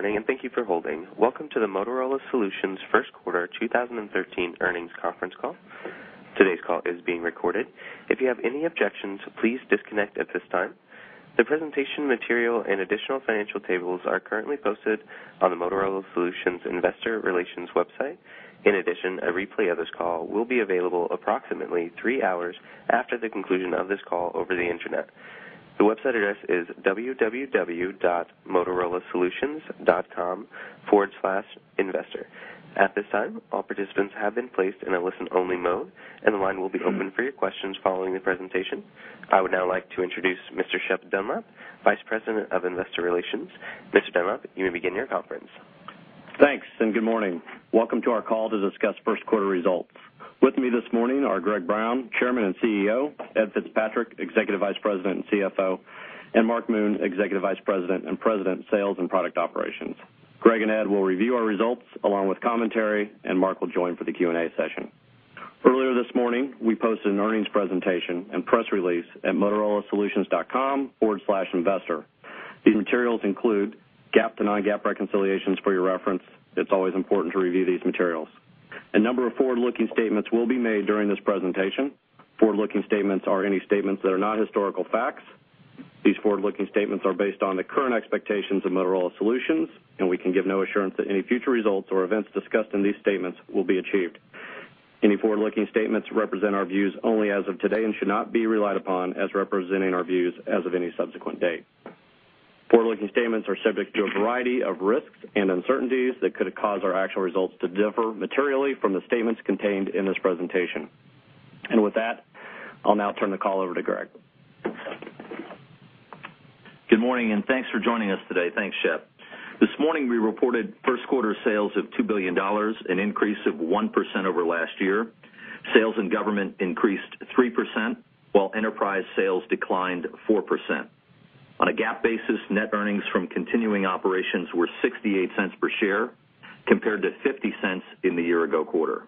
Good morning, and thank you for holding. Welcome to the Motorola Solutions first quarter 2013 earnings conference call. Today's call is being recorded. If you have any objections, please disconnect at this time. The presentation material and additional financial tables are currently posted on the Motorola Solutions Investor Relations website. In addition, a replay of this call will be available approximately three hours after the conclusion of this call over the Internet. The website address is www.motorolasolutions.com/investor. At this time, all participants have been placed in a listen-only mode, and the line will be open for your questions following the presentation. I would now like to introduce Mr. Shep Dunlap, Vice President of Investor Relations. Mr. Dunlap, you may begin your conference. Thanks, and good morning. Welcome to our call to discuss first quarter results. With me this morning are Greg Brown, Chairman and CEO; Ed Fitzpatrick, Executive Vice President and CFO; and Mark Moon, Executive Vice President and President of Sales and Product Operations. Greg and Ed will review our results along with commentary, and Mark will join for the Q&A session. Earlier this morning, we posted an earnings presentation and press release at motorolasolutions.com/investor. These materials include GAAP to non-GAAP reconciliations for your reference. It's always important to review these materials. A number of forward-looking statements will be made during this presentation. Forward-looking statements are any statements that are not historical facts. These forward-looking statements are based on the current expectations of Motorola Solutions, and we can give no assurance that any future results or events discussed in these statements will be achieved. Any forward-looking statements represent our views only as of today and should not be relied upon as representing our views as of any subsequent date. Forward-looking statements are subject to a variety of risks and uncertainties that could cause our actual results to differ materially from the statements contained in this presentation. With that, I'll now turn the call over to Greg. Good morning, and thanks for joining us today. Thanks, Shep. This morning, we reported first quarter sales of $2 billion, an increase of 1% over last year. Sales in government increased 3%, while enterprise sales declined 4%. On a GAAP basis, net earnings from continuing operations were $0.68 per share, compared to $0.50 in the year-ago quarter.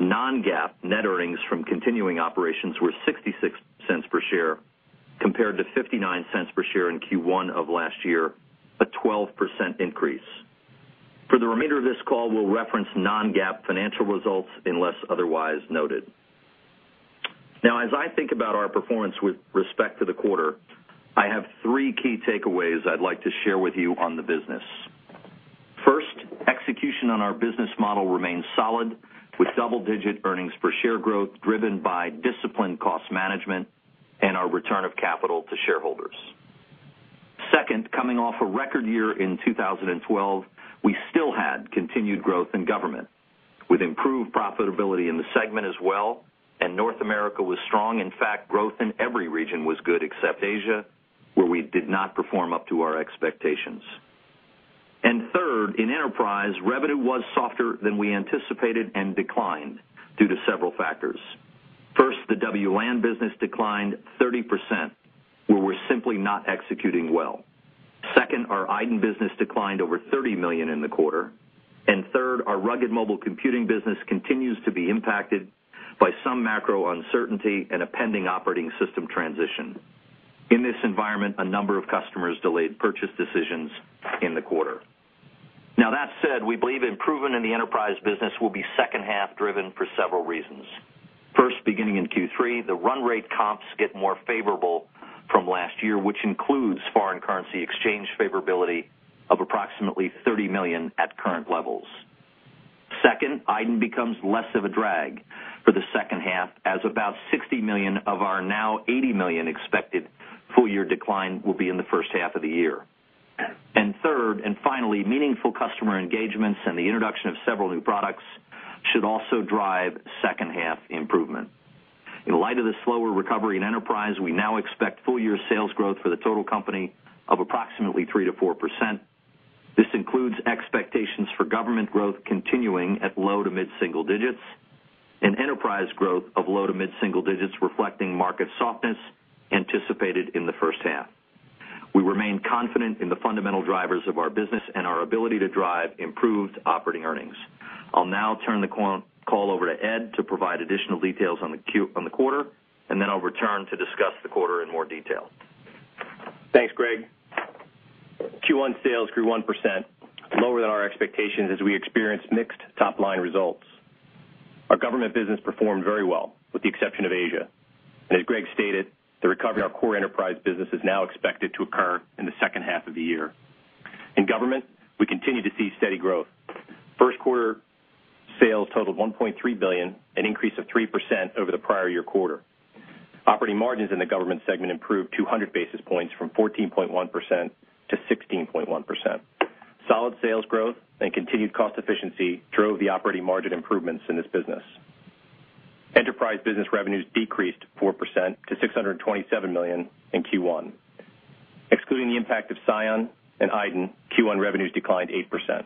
Non-GAAP net earnings from continuing operations were $0.66 per share, compared to $0.59 per share in Q1 of last year, a 12% increase. For the remainder of this call, we'll reference non-GAAP financial results unless otherwise noted. Now, as I think about our performance with respect to the quarter, I have three key takeaways I'd like to share with you on the business. First, execution on our business model remains solid, with double-digit earnings per share growth driven by disciplined cost management and our return of capital to shareholders. Second, coming off a record year in 2012, we still had continued growth in government, with improved profitability in the segment as well, and North America was strong. In fact, growth in every region was good except Asia, where we did not perform up to our expectations. And third, in enterprise, revenue was softer than we anticipated and declined due to several factors. First, the WLAN business declined 30%, where we're simply not executing well. Second, our iDEN business declined over $30 million in the quarter. And third, our rugged mobile computing business continues to be impacted by some macro uncertainty and a pending operating system transition. In this environment, a number of customers delayed purchase decisions in the quarter. Now, that said, we believe improvement in the enterprise business will be second half-driven for several reasons. First, beginning in Q3, the run rate comps get more favorable from last year, which includes foreign currency exchange favorability of approximately $30 million at current levels. Second, iDEN becomes less of a drag for the second half, as about $60 million of our now $80 million expected full-year decline will be in the first half of the year. And third, and finally, meaningful customer engagements and the introduction of several new products should also drive second half improvement. In light of the slower recovery in enterprise, we now expect full-year sales growth for the total company of approximately 3%-4%. This includes expectations for government growth continuing at low- to mid-single digits, and enterprise growth of low- to mid-single digits reflecting market softness anticipated in the first half. We remain confident in the fundamental drivers of our business and our ability to drive improved operating earnings. I'll now turn the call over to Ed to provide additional details on the quarter, and then I'll return to discuss the quarter in more detail. Thanks, Greg. Q1 sales grew 1%, lower than our expectations as we experienced mixed top-line results. Our government business performed very well, with the exception of Asia. As Greg stated, the recovery in our core enterprise business is now expected to occur in the second half of the year. In government, we continue to see steady growth. First quarter sales totaled $1.3 billion, an increase of 3% over the prior year quarter. Operating margins in the government segment improved 200 basis points from 14.1% to 16.1%. Solid sales growth and continued cost efficiency drove the operating margin improvements in this business. Enterprise business revenues decreased 4% to $627 million in Q1. Excluding the impact of Psion and iDEN, Q1 revenues declined 8%.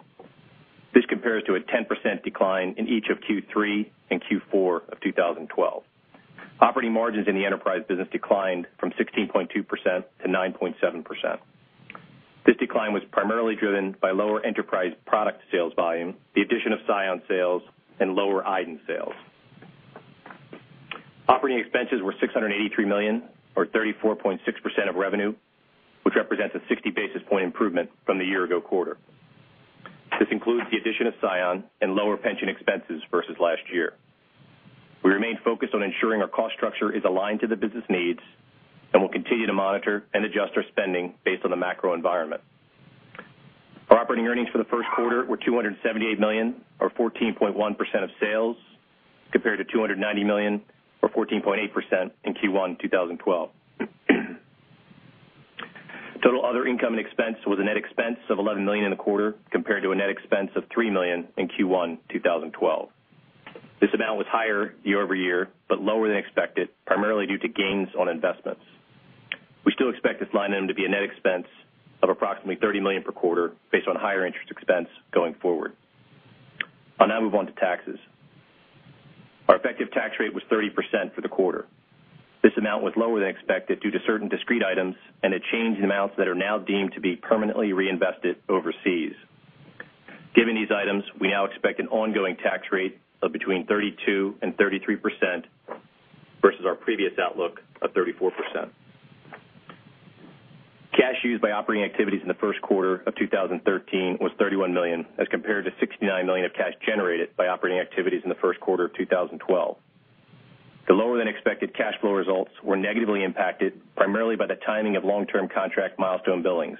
This compares to a 10% decline in each of Q3 and Q4 of 2012. Operating margins in the enterprise business declined from 16.2% to 9.7%. This decline was primarily driven by lower enterprise product sales volume, the addition of Psion sales, and lower iDEN sales. Operating expenses were $683 million, or 34.6% of revenue, which represents a 60-basis point improvement from the year-ago quarter. This includes the addition of Psion and lower pension expenses versus last year. We remain focused on ensuring our cost structure is aligned to the business needs and will continue to monitor and adjust our spending based on the macro environment. Our operating earnings for the first quarter were $278 million, or 14.1% of sales, compared to $290 million, or 14.8% in Q1 2012. Total other income and expense was a net expense of $11 million in the quarter, compared to a net expense of $3 million in Q1 2012. This amount was higher year-over-year but lower than expected, primarily due to gains on investments. We still expect this line item to be a net expense of approximately $30 million per quarter, based on higher interest expense going forward. I'll now move on to taxes. Our effective tax rate was 30% for the quarter. This amount was lower than expected due to certain discrete items, and it changed in amounts that are now deemed to be permanently reinvested overseas. Given these items, we now expect an ongoing tax rate of between 32% and 33% versus our previous outlook of 34%. Cash used by operating activities in the first quarter of 2013 was $31 million, as compared to $69 million of cash generated by operating activities in the first quarter of 2012. The lower-than-expected cash flow results were negatively impacted, primarily by the timing of long-term contract milestone billings.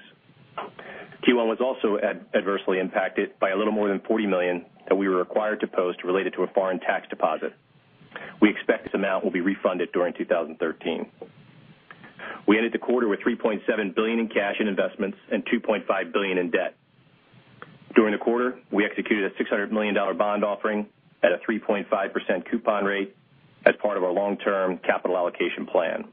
Q1 was also adversely impacted by a little more than $40 million that we were required to post related to a foreign tax deposit. We expect this amount will be refunded during 2013. We ended the quarter with $3.7 billion in cash and investments and $2.5 billion in debt. During the quarter, we executed a $600 million bond offering at a 3.5% coupon rate as part of our long-term capital allocation plan.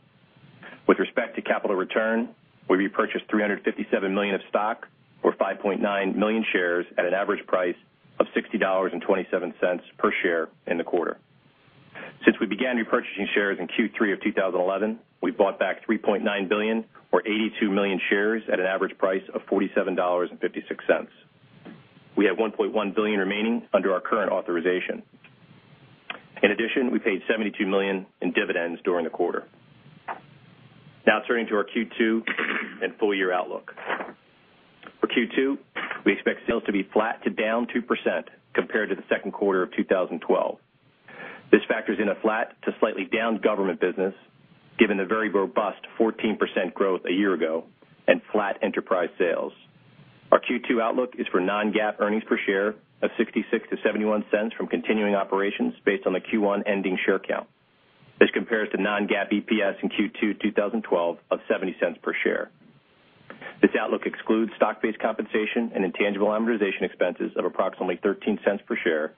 With respect to capital return, we repurchased $357 million of stock, or 5.9 million shares, at an average price of $60.27 per share in the quarter. Since we began repurchasing shares in Q3 of 2011, we bought back $3.9 billion, or 82 million shares, at an average price of $47.56. We have $1.1 billion remaining under our current authorization. In addition, we paid $72 million in dividends during the quarter. Now, turning to our Q2 and full-year outlook. For Q2, we expect sales to be flat to down 2% compared to the second quarter of 2012. This factors in a flat to slightly down government business, given the very robust 14% growth a year ago and flat enterprise sales. Our Q2 outlook is for non-GAAP earnings per share of $0.66-$0.71 from continuing operations based on the Q1 ending share count. This compares to non-GAAP EPS in Q2 2012 of $0.70 per share. This outlook excludes stock-based compensation and intangible amortization expenses of approximately $0.13 per share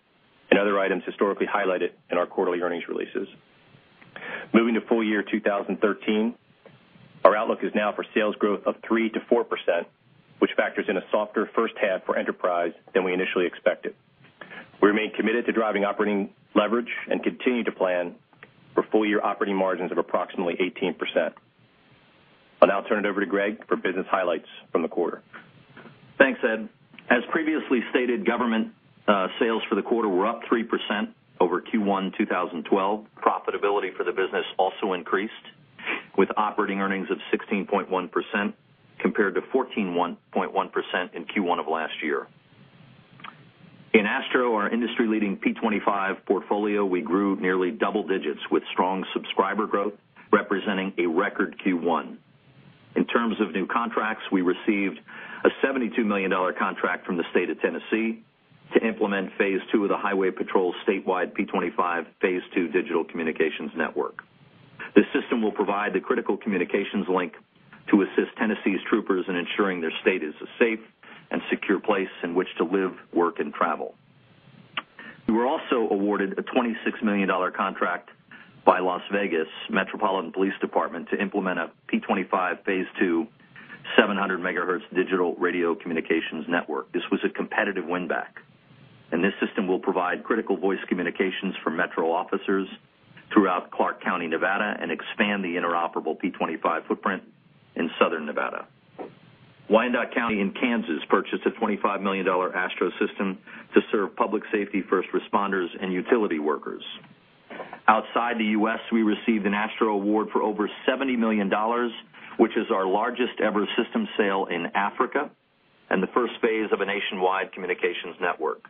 and other items historically highlighted in our quarterly earnings releases. Moving to full-year 2013. Our outlook is now for sales growth of 3%-4%, which factors in a softer first half for enterprise than we initially expected. We remain committed to driving operating leverage and continue to plan for full-year operating margins of approximately 18%. I'll now turn it over to Greg for business highlights from the quarter. Thanks, Ed. As previously stated, government sales for the quarter were up 3% over Q1 2012. Profitability for the business also increased, with operating earnings of 16.1% compared to 14.1% in Q1 of last year. In ASTRO, our industry-leading P25 portfolio, we grew nearly double digits with strong subscriber growth, representing a record Q1. In terms of new contracts, we received a $72 million contract from the state of Tennessee to implement Phase 2 of the Highway Patrol's statewide P25 Phase 2 digital communications network. This system will provide the critical communications link to assist Tennessee's troopers in ensuring their state is a safe and secure place in which to live, work, and travel. We were also awarded a $26 million contract by Las Vegas Metropolitan Police Department to implement a P25 Phase 2 700-MHz digital radio communications network. This was a competitive win-back, and this system will provide critical voice communications for metro officers throughout Clark County, Nevada, and expand the interoperable P25 footprint in Southern Nevada. Wyandotte County in Kansas purchased a $25 million ASTRO system to serve public safety-first responders and utility workers. Outside the U.S., we received an ASTRO award for over $70 million, which is our largest-ever system sale in Africa and the first phase of a nationwide communications network.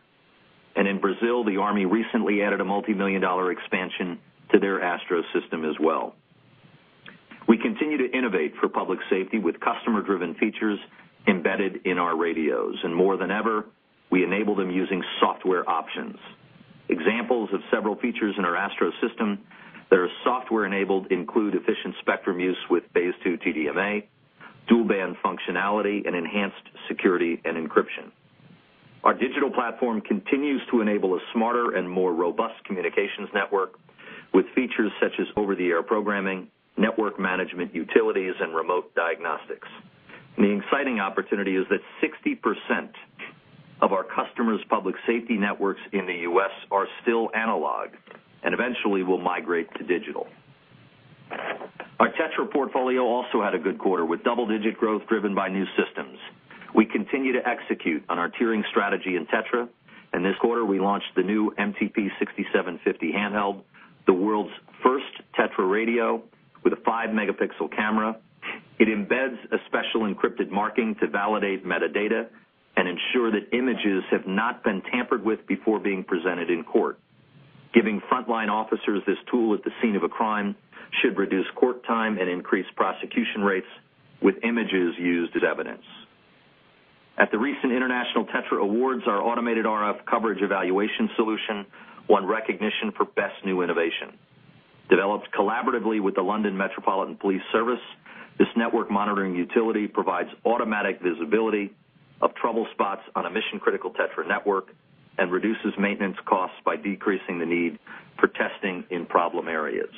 In Brazil, the Army recently added a multi-million-dollar expansion to their ASTRO system as well. We continue to innovate for public safety with customer-driven features embedded in our radios. More than ever, we enable them using software options. Examples of several features in our ASTRO system that are software-enabled include efficient spectrum use with Phase 2 TDMA, dual-band functionality, and enhanced security and encryption. Our digital platform continues to enable a smarter and more robust communications network with features such as over-the-air programming, network management, utilities, and remote diagnostics. The exciting opportunity is that 60% of our customers' public safety networks in the U.S. are still analog and eventually will migrate to digital. Our TETRA portfolio also had a good quarter with double-digit growth driven by new systems. We continue to execute on our tiering strategy in TETRA, and this quarter we launched the new MTP6750 handheld, the world's first TETRA radio with a 5MP camera. It embeds a special encrypted marking to validate metadata and ensure that images have not been tampered with before being presented in court. Giving frontline officers this tool at the scene of a crime should reduce court time and increase prosecution rates with images used as evidence. At the recent International TETRA Awards, our automated RF coverage evaluation solution won recognition for best new innovation. Developed collaboratively with the London Metropolitan Police Service, this network monitoring utility provides automatic visibility of trouble spots on a mission-critical TETRA network and reduces maintenance costs by decreasing the need for testing in problem areas.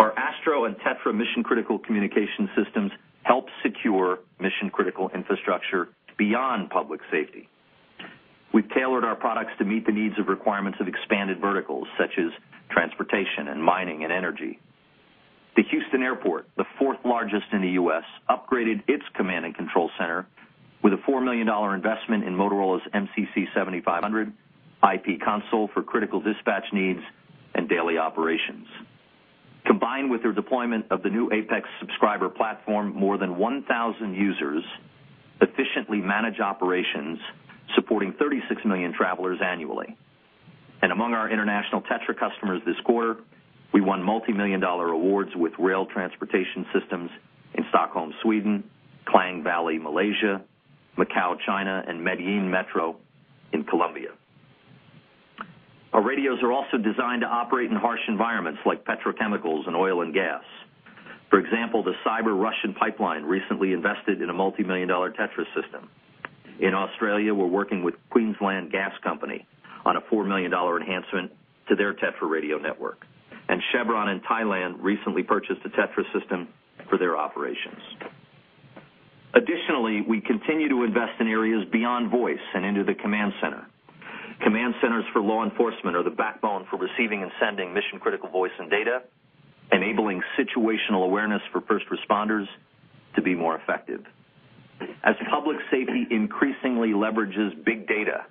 Our ASTRO and TETRA mission-critical communication systems help secure mission-critical infrastructure beyond public safety. We've tailored our products to meet the needs of requirements of expanded verticals such as transportation and mining and energy. The Houston Airport, the fourth largest in the U.S., upgraded its command-and-control center with a $4 million investment in Motorola's MCC 7500 IP console for critical dispatch needs and daily operations. Combined with their deployment of the new APX subscriber platform, more than 1,000 users efficiently manage operations, supporting 36 million travelers annually. Among our international TETRA customers this quarter, we won multi-million-dollar awards with rail transportation systems in Stockholm, Sweden, Klang Valley in Malaysia, Macau, China, and Medellín Metro in Colombia. Our radios are also designed to operate in harsh environments like petrochemicals and oil and gas. For example, the Sibur Russian pipeline recently invested in a multi-million-dollar TETRA system. In Australia, we're working with Queensland Gas Company on a $4 million enhancement to their TETRA radio network. And Chevron in Thailand recently purchased a TETRA system for their operations. Additionally, we continue to invest in areas beyond voice and into the command center. Command centers for law enforcement are the backbone for receiving and sending mission-critical voice and data, enabling situational awareness for first responders to be more effective. As public safety increasingly leverages big data,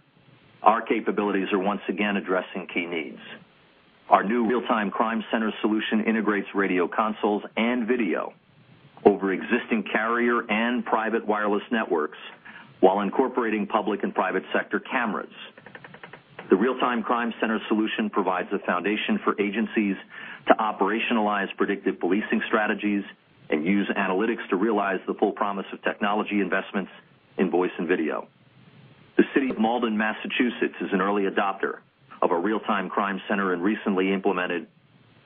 our capabilities are once again addressing key needs. Our new Real-Time Crime Center solution integrates radio consoles and video over existing carrier and private wireless networks while incorporating public and private sector cameras. The Real-Time Crime Center solution provides a foundation for agencies to operationalize predictive policing strategies and use analytics to realize the full promise of technology investments in voice and video. The city of Malden, Massachusetts, is an early adopter of a Real-Time Crime Center and recently implemented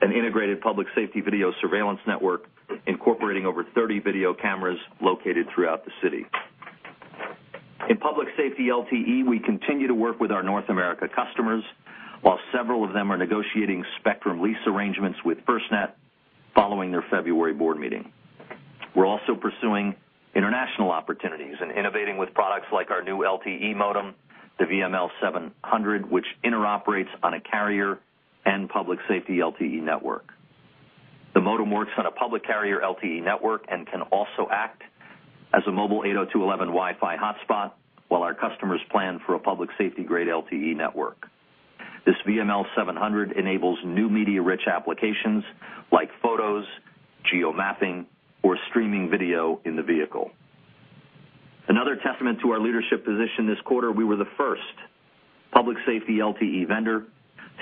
an integrated public safety video surveillance network, incorporating over 30 video cameras located throughout the city. In public safety LTE, we continue to work with our North America customers while several of them are negotiating spectrum lease arrangements with FirstNet following their February board meeting. We're also pursuing international opportunities and innovating with products like our new LTE modem, the VML700, which interoperates on a carrier and public safety LTE network. The modem works on a public carrier LTE network and can also act as a mobile 802.11 Wi-Fi hotspot while our customers plan for a public safety-grade LTE network. This VML700 enables new media-rich applications like photos, geo-mapping, or streaming video in the vehicle. Another testament to our leadership position this quarter, we were the first public safety LTE vendor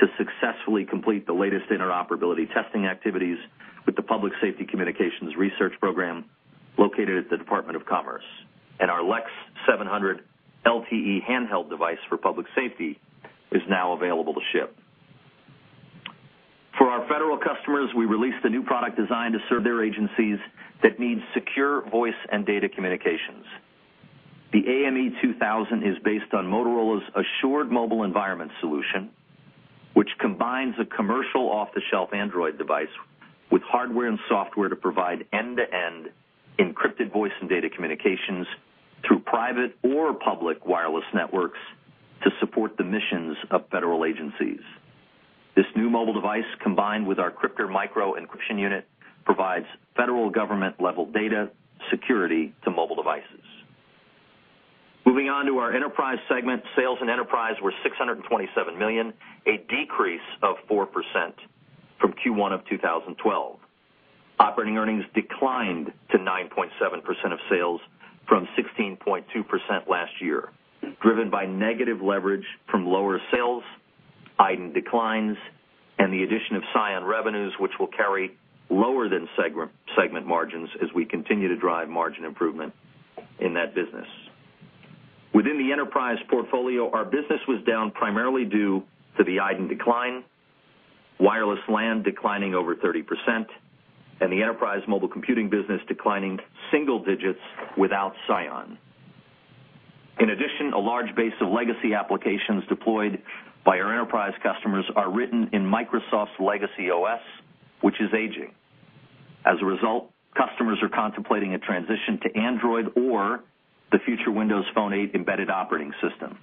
to successfully complete the latest interoperability testing activities with the Public Safety Communications Research Program located at the Department of Commerce. Our LEX700 LTE handheld device for public safety is now available to ship. For our federal customers, we released a new product designed to serve their agencies that needs secure voice and data communications. The AME 2000 is based on Motorola's Assured Mobile Environment Solution, which combines a commercial off-the-shelf Android device with hardware and software to provide end-to-end encrypted voice and data communications through private or public wireless networks to support the missions of federal agencies. This new mobile device, combined with our CRYPTR micro Encryption Unit, provides federal government-level data security to mobile devices. Moving on to our enterprise segment, sales in enterprise were $627 million, a decrease of 4% from Q1 of 2012. Operating earnings declined to 9.7% of sales from 16.2% last year, driven by negative leverage from lower sales, iDEN declines, and the addition of Psion revenues, which will carry lower than segment margins as we continue to drive margin improvement in that business. Within the enterprise portfolio, our business was down primarily due to the iDEN decline, wireless LAN declining over 30%, and the enterprise mobile computing business declining single digits without Psion. In addition, a large base of legacy applications deployed by our enterprise customers are written in Microsoft's legacy OS, which is aging. As a result, customers are contemplating a transition to Android or the future Windows Phone 8 embedded operating system.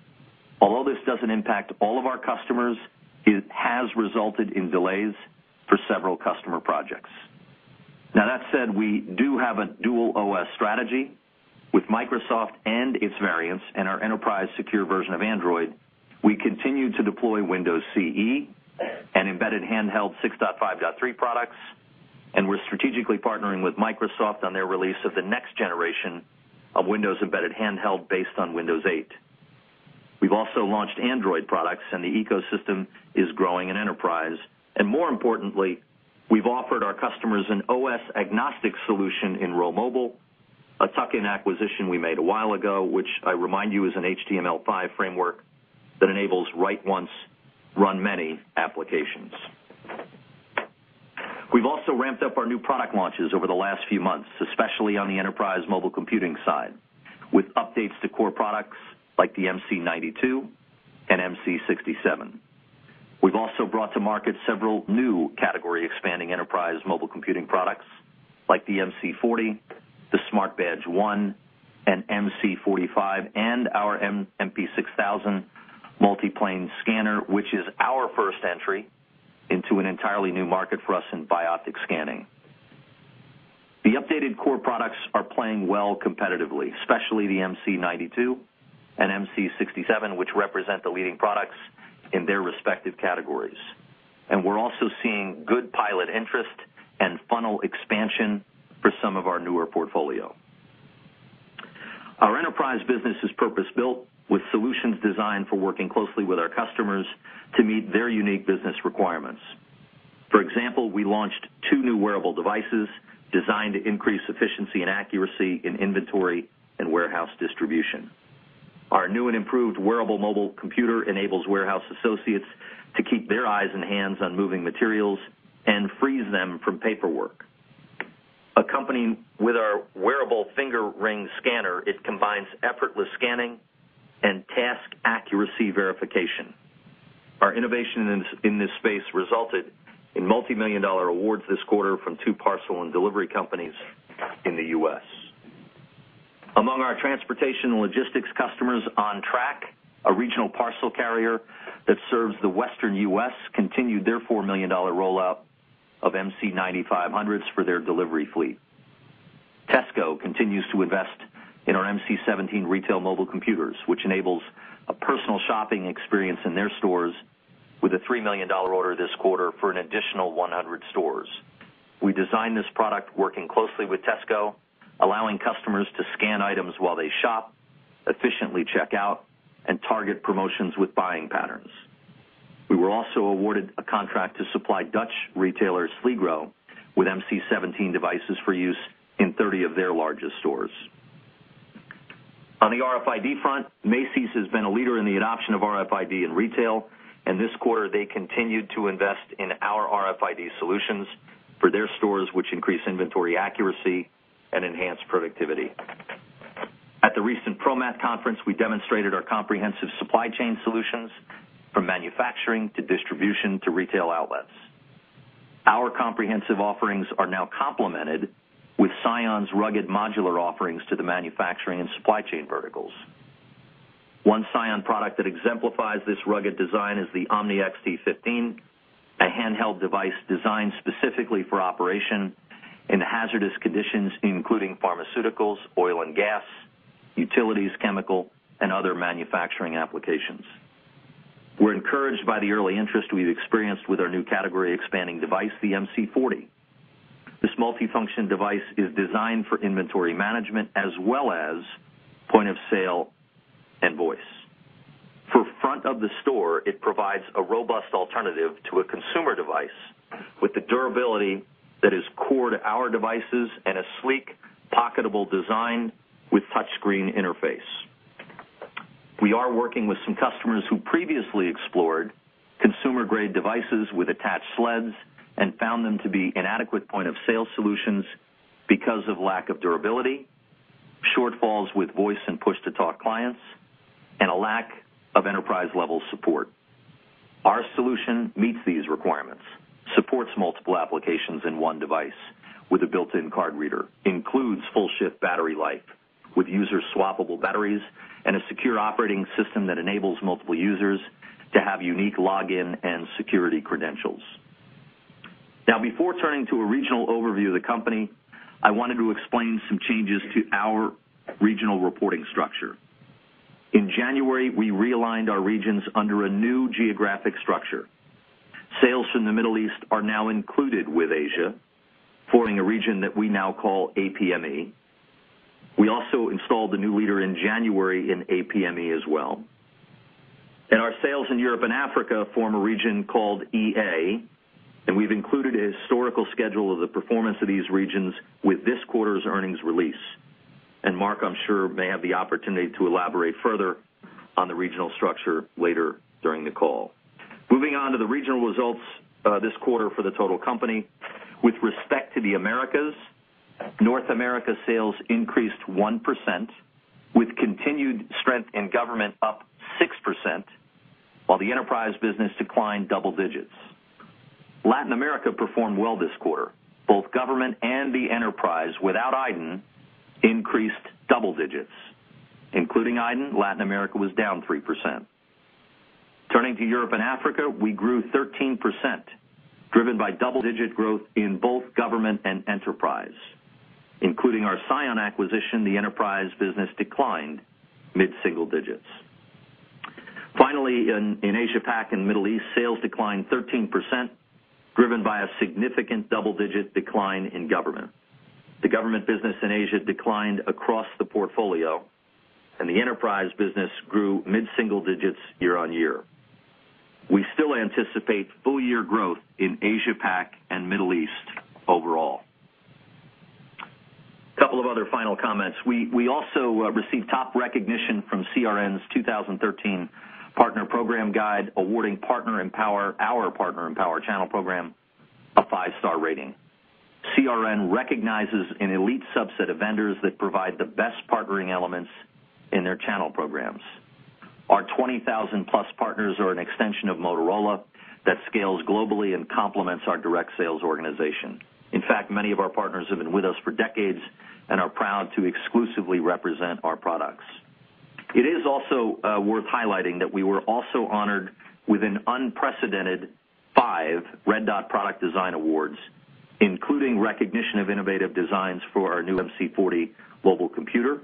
Although this doesn't impact all of our customers, it has resulted in delays for several customer projects. Now, that said, we do have a dual OS strategy with Microsoft and its variants and our enterprise secure version of Android. We continue to deploy Windows CE and Embedded Handheld 6.5.3 products, and we're strategically partnering with Microsoft on their release of the next generation of Windows Embedded Handheld based on Windows 8. We've also launched Android products, and the ecosystem is growing in enterprise. More importantly, we've offered our customers an OS-agnostic solution in RhoMobile, a tuck-in acquisition we made a while ago, which I remind you is an HTML5 framework that enables write once, run many applications. We've also ramped up our new product launches over the last few months, especially on the enterprise mobile computing side, with updates to core products like the MC92 and MC67. We've also brought to market several new category-expanding enterprise mobile computing products like the MC40, the Smart Badge 1, and MC45, and our MP6000 multi-plane scanner, which is our first entry into an entirely new market for us in bioptic scanning. The updated core products are playing well competitively, especially the MC92 and MC67, which represent the leading products in their respective categories. We're also seeing good pilot interest and funnel expansion for some of our newer portfolio. Our enterprise business is purpose-built with solutions designed for working closely with our customers to meet their unique business requirements. For example, we launched two new wearable devices designed to increase efficiency and accuracy in inventory and warehouse distribution. Our new and improved wearable mobile computer enables warehouse associates to keep their eyes and hands on moving materials and free them from paperwork. Accompanied with our wearable finger ring scanner, it combines effortless scanning and task accuracy verification. Our innovation in this space resulted in multi-million-dollar awards this quarter from two parcel and delivery companies in the U.S. Among our transportation and logistics customers on track, a regional parcel carrier that serves the western U.S. continued their $4 million rollout of MC9500s for their delivery fleet. Tesco continues to invest in our MC17 retail mobile computers, which enables a personal shopping experience in their stores with a $3 million order this quarter for an additional 100 stores. We designed this product working closely with Tesco, allowing customers to scan items while they shop, efficiently check out, and target promotions with buying patterns. We were also awarded a contract to supply Dutch retailer Sligro with MC17 devices for use in 30 of their largest stores. On the RFID front, Macy's has been a leader in the adoption of RFID in retail, and this quarter they continued to invest in our RFID solutions for their stores, which increase inventory accuracy and enhance productivity. At the recent ProMat conference, we demonstrated our comprehensive supply chain solutions from manufacturing to distribution to retail outlets. Our comprehensive offerings are now complemented with Psion's rugged modular offerings to the manufacturing and supply chain verticals. One Psion product that exemplifies this rugged design is the Omni XT15, a handheld device designed specifically for operation in hazardous conditions, including pharmaceuticals, oil and gas, utilities, chemical, and other manufacturing applications. We're encouraged by the early interest we've experienced with our new category-expanding device, the MC40. This multi-function device is designed for inventory management as well as point of sale and voice. For front-of-the-store, it provides a robust alternative to a consumer device with the durability that is core to our devices and a sleek, pocketable design with touchscreen interface. We are working with some customers who previously explored consumer-grade devices with attached sleds and found them to be inadequate point of sale solutions because of lack of durability, shortfalls with voice and push-to-talk clients, and a lack of enterprise-level support. Our solution meets these requirements, supports multiple applications in one device with a built-in card reader, includes full-shift battery life with user-swappable batteries, and a secure operating system that enables multiple users to have unique login and security credentials. Now, before turning to a regional overview of the company, I wanted to explain some changes to our regional reporting structure. In January, we realigned our regions under a new geographic structure. Sales from the Middle East are now included with Asia, forming a region that we now call APME. We also installed the new leader in January in APME as well. Our sales in Europe and Africa form a region called EA, and we've included a historical schedule of the performance of these regions with this quarter's earnings release. Mark, I'm sure, may have the opportunity to elaborate further on the regional structure later during the call. Moving on to the regional results this quarter for the total company. With respect to the Americas, North America sales increased 1%, with continued strength in government up 6%, while the enterprise business declined double digits. Latin America performed well this quarter. Both government and the enterprise, without iDEN, increased double digits. Including iDEN, Latin America was down 3%. Turning to Europe and Africa, we grew 13%, driven by double-digit growth in both government and enterprise. Including our Psion acquisition, the enterprise business declined mid-single digits. Finally, in Asia-Pac and Middle East, sales declined 13%, driven by a significant double-digit decline in government. The government business in Asia declined across the portfolio, and the enterprise business grew mid-single digits year-on-year. We still anticipate full-year growth in Asia-Pac and Middle East overall. A couple of other final comments. We also received top recognition from CRN's 2013 Partner Program Guide, awarding PartnerEmpower our PartnerEmpower channel program a five-star rating. CRN recognizes an elite subset of vendors that provide the best partnering elements in their channel programs. Our 20,000+ partners are an extension of Motorola that scales globally and complements our direct sales organization. In fact, many of our partners have been with us for decades and are proud to exclusively represent our products. It is also worth highlighting that we were also honored with an unprecedented five Red Dot Product Design Awards, including recognition of innovative designs for our new MC40 mobile computer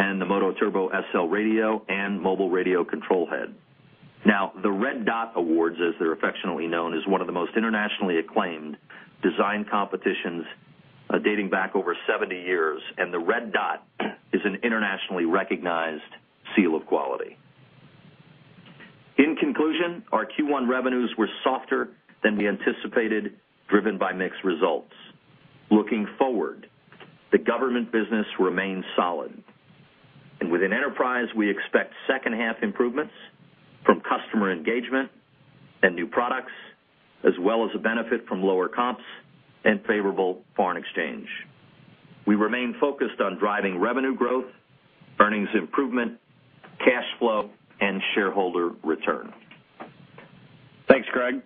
and the MOTOTRBO SL radio and mobile radio control head. Now, the Red Dot Awards, as they're affectionately known, is one of the most internationally acclaimed design competitions dating back over 70 years, and the Red Dot is an internationally recognized seal of quality. In conclusion, our Q1 revenues were softer than we anticipated, driven by mixed results. Looking forward, the government business remains solid. Within enterprise, we expect second-half improvements from customer engagement and new products, as well as a benefit from lower comps and favorable foreign exchange. We remain focused on driving revenue growth, earnings improvement, cash flow, and shareholder return. Thanks, Greg.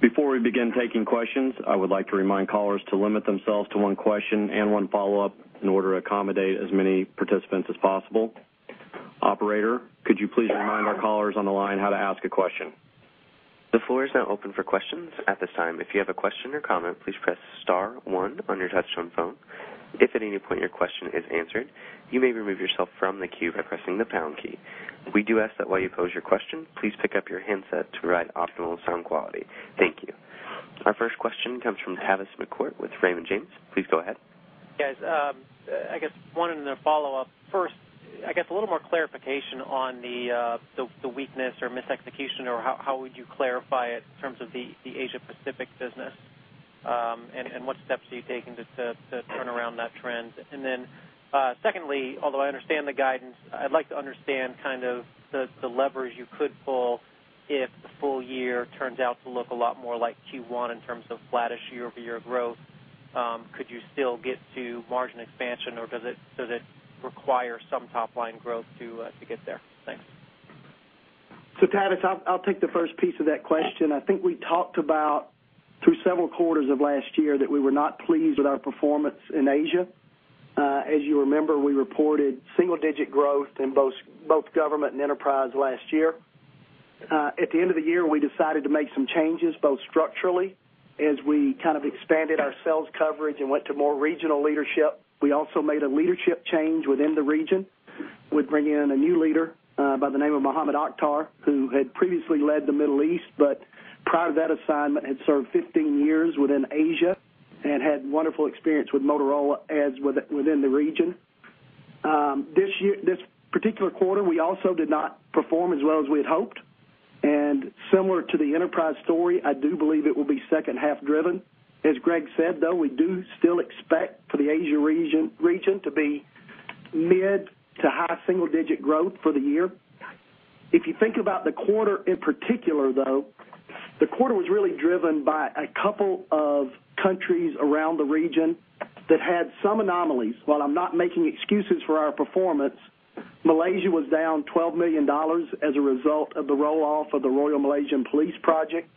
Before we begin taking questions, I would like to remind callers to limit themselves to one question and one follow-up in order to accommodate as many participants as possible. Operator, could you please remind our callers on the line how to ask a question? The floor is now open for questions at this time. If you have a question or comment, please press star one on your touchtone phone. If at any point your question is answered, you may remove yourself from the queue by pressing the pound key. We do ask that while you pose your question, please pick up your handset to provide optimal sound quality. Thank you. Our first question comes from Tavis McCourt with Raymond James. Please go ahead. Yes. I guess one in the follow-up. First, I guess a little more clarification on the weakness or mis-execution or how would you clarify it in terms of the Asia-Pacific business and what steps are you taking to turn around that trend? And then secondly, although I understand the guidance, I'd like to understand kind of the levers you could pull if the full year turns out to look a lot more like Q1 in terms of flat-ish year-over-year growth. Could you still get to margin expansion, or does it require some top-line growth to get there? Thanks. Tavis, I'll take the first piece of that question. I think we talked about through several quarters of last year that we were not pleased with our performance in Asia. As you remember, we reported single-digit growth in both government and enterprise last year. At the end of the year, we decided to make some changes both structurally as we kind of expanded our sales coverage and went to more regional leadership. We also made a leadership change within the region. We'd bring in a new leader by the name of Mohammad Akhtar, who had previously led the Middle East, but prior to that assignment had served 15 years within Asia and had wonderful experience with Motorola within the region. This particular quarter, we also did not perform as well as we had hoped. Similar to the enterprise story, I do believe it will be second half driven. As Greg said, though, we do still expect for the Asia region to be mid- to high-single digit growth for the year. If you think about the quarter in particular, though, the quarter was really driven by a couple of countries around the region that had some anomalies. While I'm not making excuses for our performance, Malaysia was down $12 million as a result of the roll-off of the Royal Malaysian Police Project.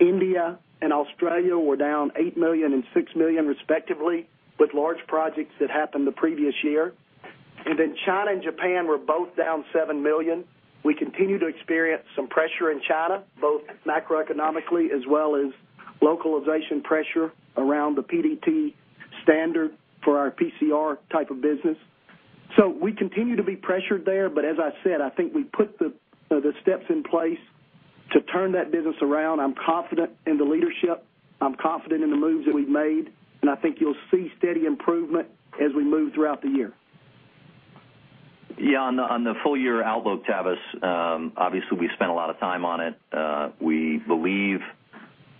India and Australia were down $8 million and $6 million, respectively, with large projects that happened the previous year. And then China and Japan were both down $7 million. We continue to experience some pressure in China, both macroeconomically as well as localization pressure around the PDT standard for our PCR type of business. So we continue to be pressured there, but as I said, I think we put the steps in place to turn that business around. I'm confident in the leadership. I'm confident in the moves that we've made, and I think you'll see steady improvement as we move throughout the year. Yeah. On the full-year outlook, Tavis, obviously, we spent a lot of time on it. We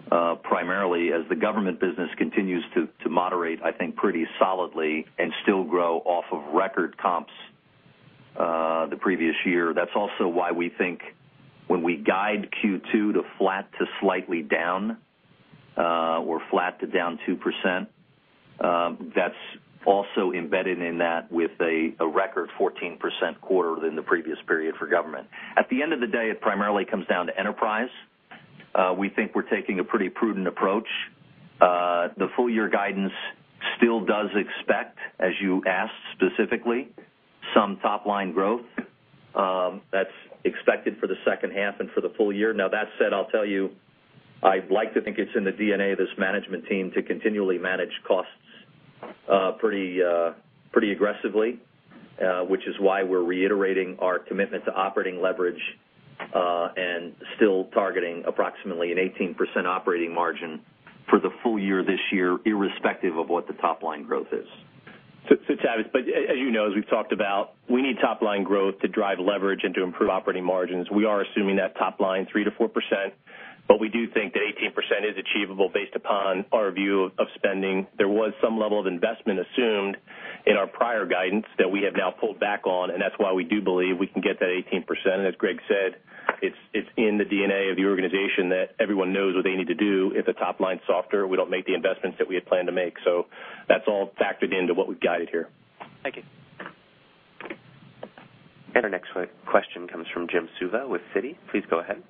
believe primarily as the government business continues to moderate, I think, pretty solidly and still grow off of record comps the previous year. That's also why we think when we guide Q2 to flat to slightly down or flat to down 2%, that's also embedded in that with a record 14% quarter than the previous period for government. At the end of the day, it primarily comes down to enterprise. We think we're taking a pretty prudent approach. The full-year guidance still does expect, as you asked specifically, some top-line growth. That's expected for the second half and for the full year. Now, that said, I'll tell you, I'd like to think it's in the DNA of this management team to continually manage costs pretty aggressively, which is why we're reiterating our commitment to operating leverage and still targeting approximately an 18% operating margin for the full year this year, irrespective of what the top-line growth is. So, Tavis, but as you know, as we've talked about, we need top-line growth to drive leverage and to improve operating margins. We are assuming that topline 3%-4%, but we do think that 18% is achievable based upon our view of spending. There was some level of investment assumed in our prior guidance that we have now pulled back on, and that's why we do believe we can get that 18%. As Greg said, it's in the DNA of the organization that everyone knows what they need to do if the topline is softer, we don't make the investments that we had planned to make. That's all factored into what we've guided here. Thank you. Our next question comes from Jim Suva with Citi. Please go ahead.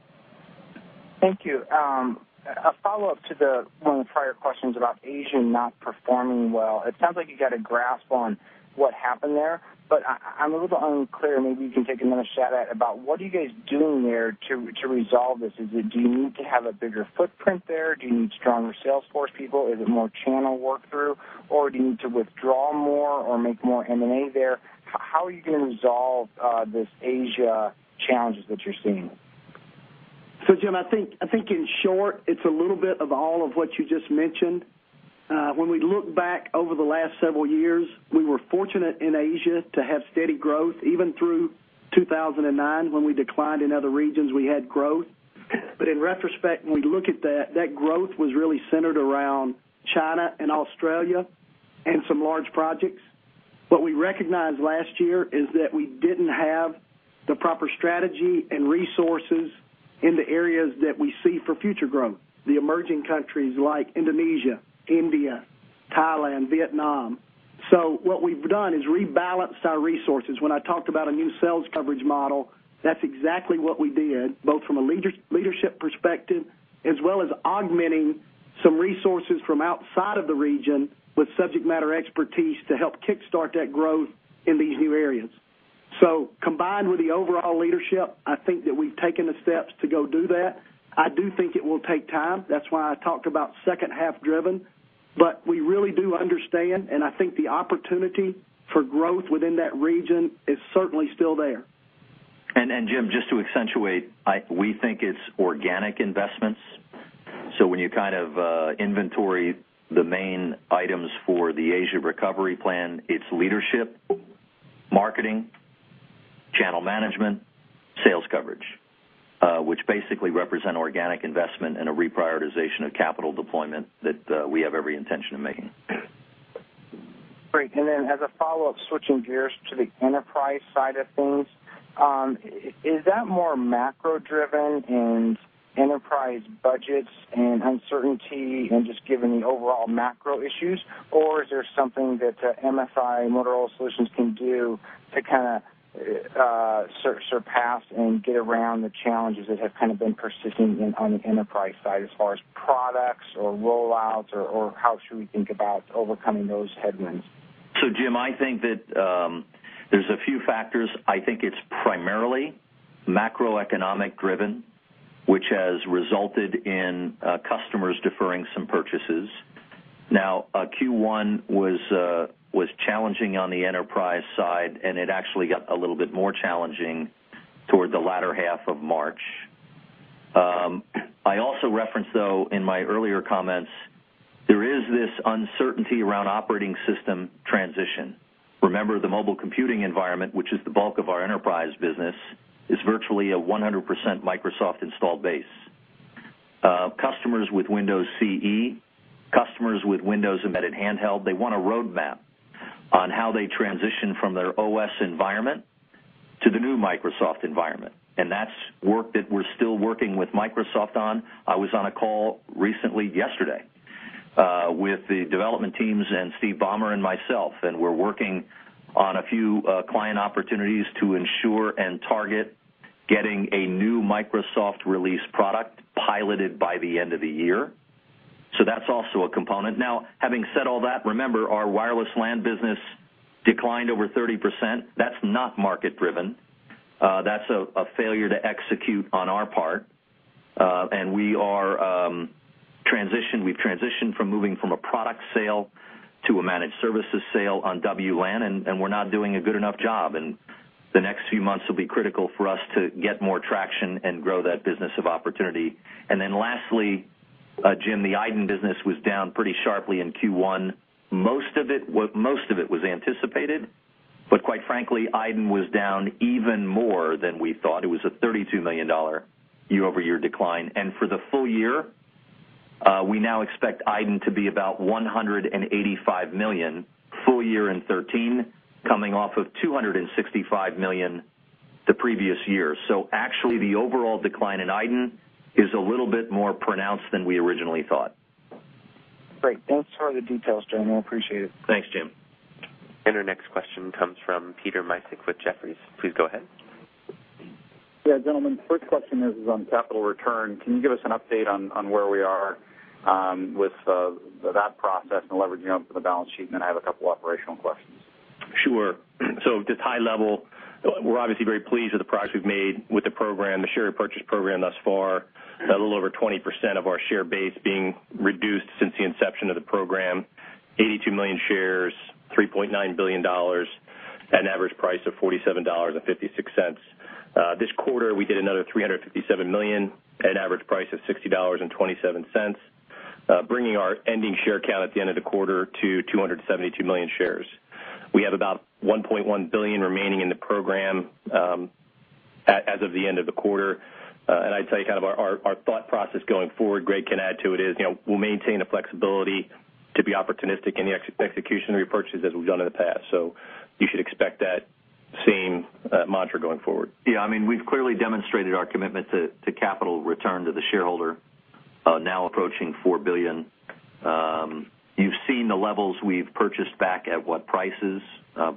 Thank you. A follow-up to the one of the prior questions about Asia not performing well. It sounds like you got a grasp on what happened there, but I'm a little unclear. Maybe you can take another shot at about what are you guys doing there to resolve this? Do you need to have a bigger footprint there? Do you need stronger salesforce people? Is it more channel work through, or do you need to withdraw more or make more M&A there? How are you going to resolve these Asian challenges that you're seeing? So, Jim, I think in short, it's a little bit of all of what you just mentioned. When we look back over the last several years, we were fortunate in Asia to have steady growth. Even through 2009, when we declined in other regions, we had growth. But in retrospect, when we look at that, that growth was really centered around China and Australia and some large projects. What we recognized last year is that we didn't have the proper strategy and resources in the areas that we see for future growth, the emerging countries like Indonesia, India, Thailand, Vietnam. So what we've done is rebalanced our resources. When I talked about a new sales coverage model, that's exactly what we did, both from a leadership perspective as well as augmenting some resources from outside of the region with subject matter expertise to help kickstart that growth in these new areas. So combined with the overall leadership, I think that we've taken the steps to go do that. I do think it will take time. That's why I talked about second-half driven, but we really do understand, and I think the opportunity for growth within that region is certainly still there. And Jim, just to accentuate, we think it's organic investments. So when you kind of inventory the main items for the Asia recovery plan, it's leadership, marketing, channel management, sales coverage, which basically represent organic investment and a reprioritization of capital deployment that we have every intention of making. Great. Then as a follow-up, switching gears to the enterprise side of things, is that more macro-driven and enterprise budgets and uncertainty and just given the overall macro issues, or is there something that Motorola Solutions can do to kind of surpass and get around the challenges that have kind of been persisting on the enterprise side as far as products or rollouts or how should we think about overcoming those headwinds? So, Jim, I think that there's a few factors. I think it's primarily macroeconomic driven, which has resulted in customers deferring some purchases. Now, Q1 was challenging on the enterprise side, and it actually got a little bit more challenging toward the latter half of March. I also referenced, though, in my earlier comments, there is this uncertainty around operating system transition. Remember, the mobile computing environment, which is the bulk of our enterprise business, is virtually a 100% Microsoft-installed base. Customers with Windows CE, customers with Windows Embedded Handheld, they want a roadmap on how they transition from their OS environment to the new Microsoft environment. That's work that we're still working with Microsoft on. I was on a call recently yesterday with the development teams and Steve Ballmer and myself, and we're working on a few client opportunities to ensure and target getting a new Microsoft-released product piloted by the end of the year. That's also a component. Now, having said all that, remember, our wireless LAN business declined over 30%. That's not market driven. That's a failure to execute on our part. And we are transitioned. We've transitioned from moving from a product sale to a managed services sale on WLAN, and we're not doing a good enough job. The next few months will be critical for us to get more traction and grow that business of opportunity. Then lastly, Jim, the iDEN business was down pretty sharply in Q1. Most of it was anticipated, but quite frankly, iDEN was down even more than we thought. It was a $32 million year-over-year decline. For the full year, we now expect iDEN to be about $185 million full year in 2013, coming off of $265 million the previous year. So actually, the overall decline in iDEN is a little bit more pronounced than we originally thought. Great. Thanks for the details. I appreciate it. Thanks, Jim. Our next question comes from Peter Misek with Jefferies. Please go ahead. Yeah, gentlemen, first question is on capital return. Can you give us an update on where we are with that process and leveraging up the balance sheet? And then I have a couple of operational questions. Sure. So just high level, we're obviously very pleased with the products we've made with the program, the share purchase program thus far, a little over 20% of our share base being reduced since the inception of the program, 82 million shares, $3.9 billion, an average price of $47.56. This quarter, we did another 357 million at an average price of $60.27, bringing our ending share count at the end of the quarter to 272 million shares. We have about $1.1 billion remaining in the program as of the end of the quarter. I'd tell you kind of our thought process going forward, Greg can add to it, is we'll maintain a flexibility to be opportunistic in the execution of repurchases as we've done in the past. You should expect that same mantra going forward. Yeah. I mean, we've clearly demonstrated our commitment to capital return to the shareholder, now approaching $4 billion. You've seen the levels we've purchased back at what prices.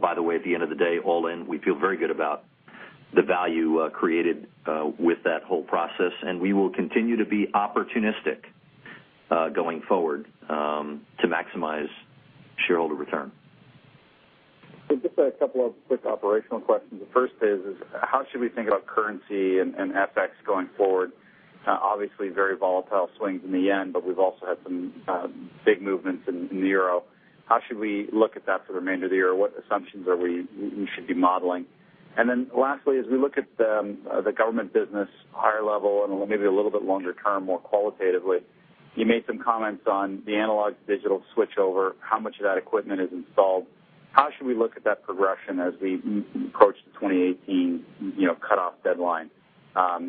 By the way, at the end of the day, all in, we feel very good about the value created with that whole process. And we will continue to be opportunistic going forward to maximize shareholder return. Just a couple of quick operational questions. The first is, how should we think about currency and FX going forward? Obviously, very volatile swings in the yen, but we've also had some big movements in the euro. How should we look at that for the remainder of the year? What assumptions are we should be modeling? Then lastly, as we look at the government business higher level and maybe a little bit longer term, more qualitatively, you made some comments on the analog to digital switchover. How much of that equipment is installed? How should we look at that progression as we approach the 2018 cutoff deadline?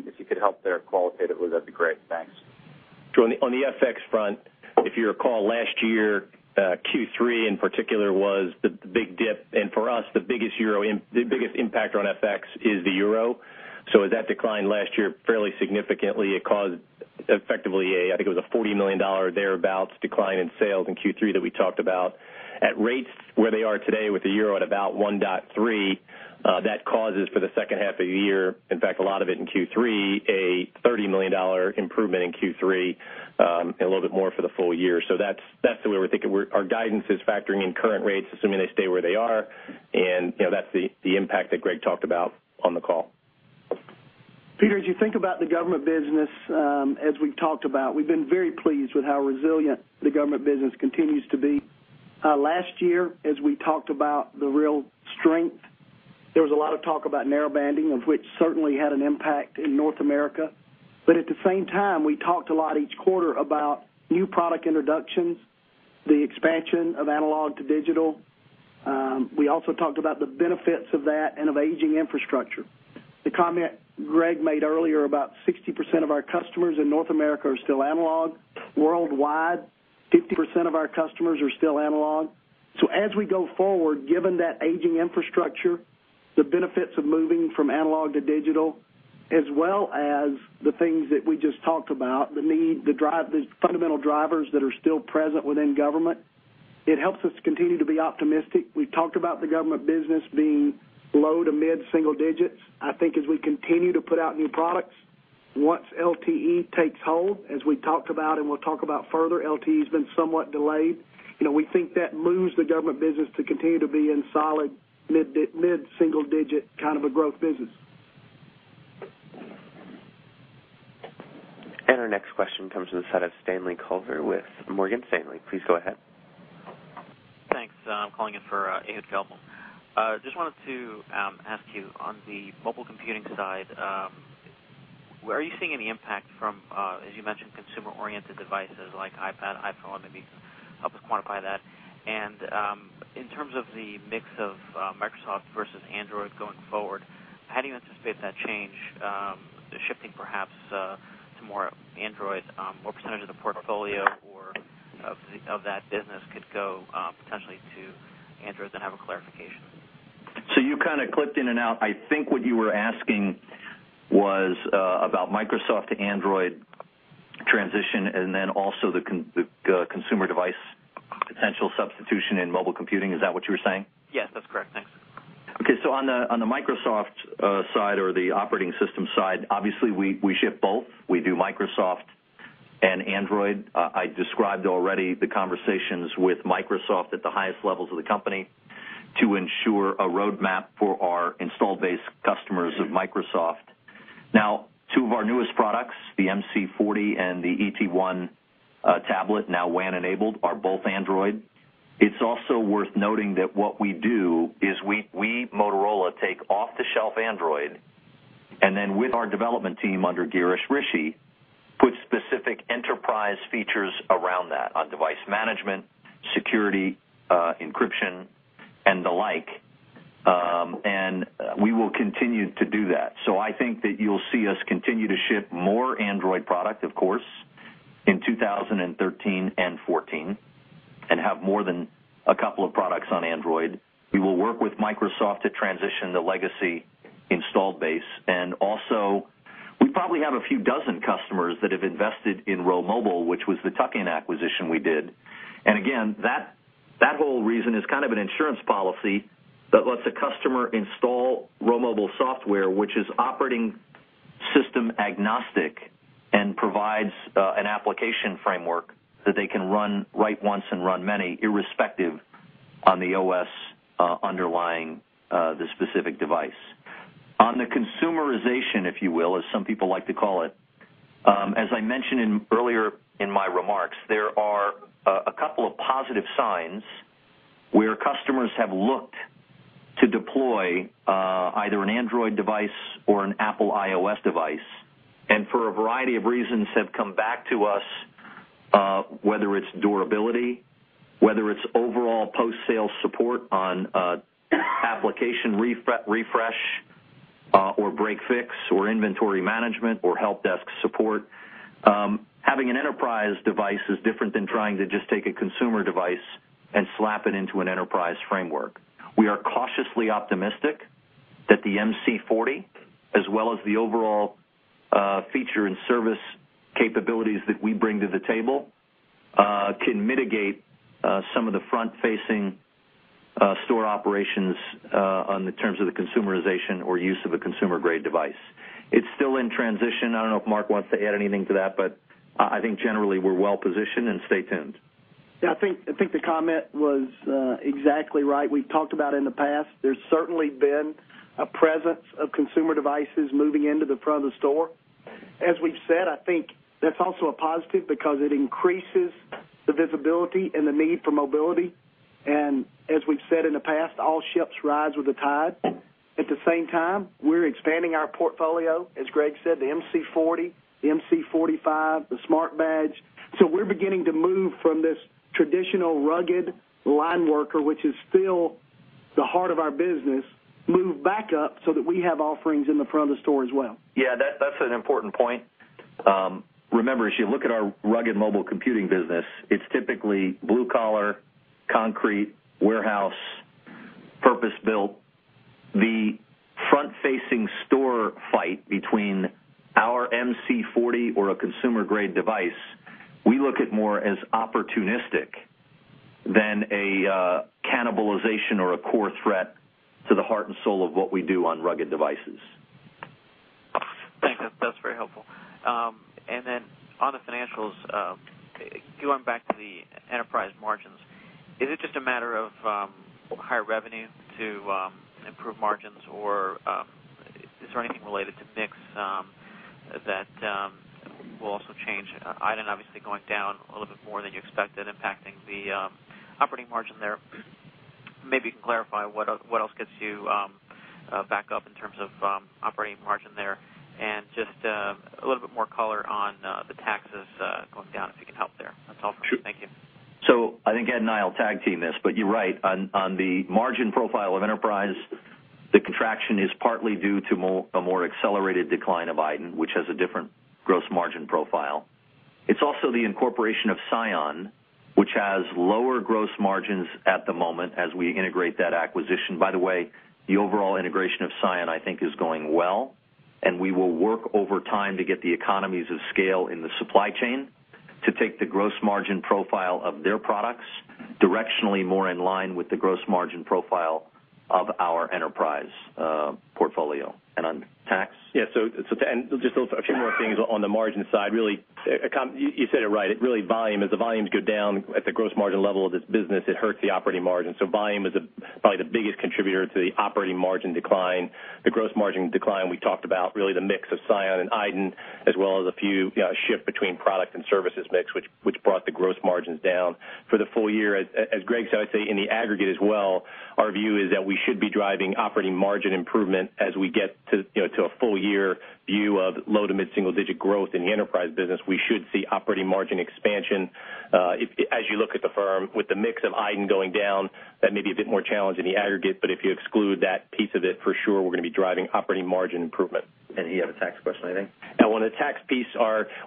If you could help there qualitatively, that'd be great. Thanks. On the FX front, if you recall, last year, Q3 in particular was the big dip. For us, the biggest impact on FX is the euro. So as that declined last year fairly significantly, it caused effectively a, I think it was a $40 million thereabouts decline in sales in Q3 that we talked about. At rates where they are today with the euro at about 1.3, that causes for the second half of the year, in fact, a lot of it in Q3, a $30 million improvement in Q3 and a little bit more for the full year. So that's the way we're thinking. Our guidance is factoring in current rates, assuming they stay where they are. That's the impact that Greg talked about on the call. Peter, as you think about the government business, as we've talked about, we've been very pleased with how resilient the government business continues to be. Last year, as we talked about the real strength, there was a lot of talk about narrowbanding, of which certainly had an impact in North America. But at the same time, we talked a lot each quarter about new product introductions, the expansion of analog to digital. We also talked about the benefits of that and of aging infrastructure. The comment Greg made earlier about 60% of our customers in North America are still analog. Worldwide, 50% of our customers are still analog. So as we go forward, given that aging infrastructure, the benefits of moving from analog to digital, as well as the things that we just talked about, the need, the drive, the fundamental drivers that are still present within government, it helps us continue to be optimistic. We've talked about the government business being low- to mid-single digit. I think as we continue to put out new products, once LTE takes hold, as we talked about and we'll talk about further, LTE has been somewhat delayed. We think that moves the government business to continue to be in solid mid-single digit kind of a growth business. Our next question comes from the line of Stanley Kovler with Morgan Stanley. Please go ahead. Thanks. I'm calling in for Ehud Gelblum. Just wanted to ask you on the mobile computing side, are you seeing any impact from, as you mentioned, consumer-oriented devices like iPad, iPhone? Maybe help us quantify that. And in terms of the mix of Microsoft versus Android going forward, how do you anticipate that change, shifting perhaps to more Android? What percentage of the portfolio or of that business could go potentially to Android and have a clarification? So you kind of clipped in and out. I think what you were asking was about Microsoft to Android transition and then also the consumer device potential substitution in mobile computing. Is that what you were saying? Yes, that's correct. Thanks. Okay. So on the Microsoft side or the operating system side, obviously, we ship both. We do Microsoft and Android. I described already the conversations with Microsoft at the highest levels of the company to ensure a roadmap for our installed base customers of Microsoft. Now, 2 of our newest products, the MC40 and the ET1 tablet, now WAN-enabled, are both Android. It's also worth noting that what we do is we, Motorola, take off-the-shelf Android and then with our development team under Girish Rishi, put specific enterprise features around that on device management, security, encryption, and the like. And we will continue to do that. So I think that you'll see us continue to ship more Android product, of course, in 2013 and 2014 and have more than a couple of products on Android. We will work with Microsoft to transition the legacy installed base. Also, we probably have a few dozen customers that have invested in RhoMobile, which was the tuck-in acquisition we did. Again, that whole reason is kind of an insurance policy that lets a customer install RhoMobile software, which is operating system agnostic and provides an application framework that they can write once and run many irrespective of the OS underlying the specific device. On the consumerization, if you will, as I mentioned earlier in my remarks, there are a couple of positive signs where customers have looked to deploy either an Android device or an Apple iOS device. For a variety of reasons, have come back to us, whether it's durability, whether it's overall post-sale support on application refresh or break fix or inventory management or help desk support. Having an enterprise device is different than trying to just take a consumer device and slap it into an enterprise framework. We are cautiously optimistic that the MC40, as well as the overall feature and service capabilities that we bring to the table, can mitigate some of the front-facing store operations in terms of the consumerization or use of a consumer-grade device. It's still in transition. I don't know if Mark wants to add anything to that, but I think generally we're well positioned and stay tuned. Yeah, I think the comment was exactly right. We've talked about it in the past. There's certainly been a presence of consumer devices moving into the front of the store. As we've said, I think that's also a positive because it increases the visibility and the need for mobility. And as we've said in the past, all ships rise with the tide. At the same time, we're expanding our portfolio, as Greg said, the MC40, the MC45, the Smart Badge. So we're beginning to move from this traditional rugged line worker, which is still the heart of our business, move back up so that we have offerings in the front of the store as well. Yeah, that's an important point. Remember, as you look at our rugged mobile computing business, it's typically blue collar, concrete, warehouse, purpose-built. The front-facing store fight between our MC40 or a consumer-grade device, we look at more as opportunistic than a cannibalization or a core threat to the heart and soul of what we do on rugged devices. Thanks. That's very helpful. And then on the financials, going back to the enterprise margins, is it just a matter of higher revenue to improve margins? Or is there anything related to mix that will also change? iDEN obviously going down a little bit more than you expected, impacting the operating margin there. Maybe you can clarify what else gets you back up in terms of operating margin there and just a little bit more color on the taxes going down, if you can help there. That's all for me. Thank you. So I think Ed and I'll tag team this, but you're right. On the margin profile of enterprise, the contraction is partly due to a more accelerated decline of iDEN, which has a different gross margin profile. It's also the incorporation of Psion, which has lower gross margins at the moment as we integrate that acquisition. By the way, the overall integration of Psion, I think, is going well. And we will work over time to get the economies of scale in the supply chain to take the gross margin profile of their products directionally more in line with the gross margin profile of our enterprise portfolio. And on tax? Yeah. And just a few more things on the margin side. Really, you said it right. It really volume. As the volumes go down at the gross margin level of this business, it hurts the operating margin. So volume is probably the biggest contributor to the operating margin decline. The gross margin decline we talked about, really the mix of Psion and iDEN, as well as a few shift between product and services mix, which brought the gross margins down. For the full year, as Greg said, I'd say in the aggregate as well, our view is that we should be driving operating margin improvement as we get to a full year view of low- to mid-single digit growth in the enterprise business. We should see operating margin expansion. As you look at the firm with the mix of iDEN going down, that may be a bit more challenged in the aggregate. But if you exclude that piece of it, for sure, we're going to be driving operating margin improvement. And he had a tax question, I think. Now, on the tax piece,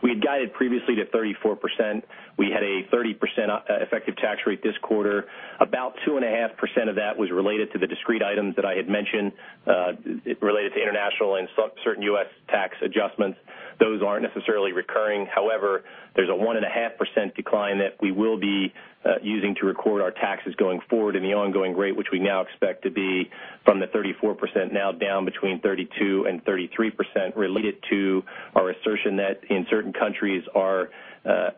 we had guided previously to 34%. We had a 30% effective tax rate this quarter. About 2.5% of that was related to the discrete items that I had mentioned related to international and certain U.S. tax adjustments. Those aren't necessarily recurring. However, there's a 1.5% decline that we will be using to record our taxes going forward in the ongoing rate, which we now expect to be from the 34% now down between 32%-33% related to our assertion that in certain countries, our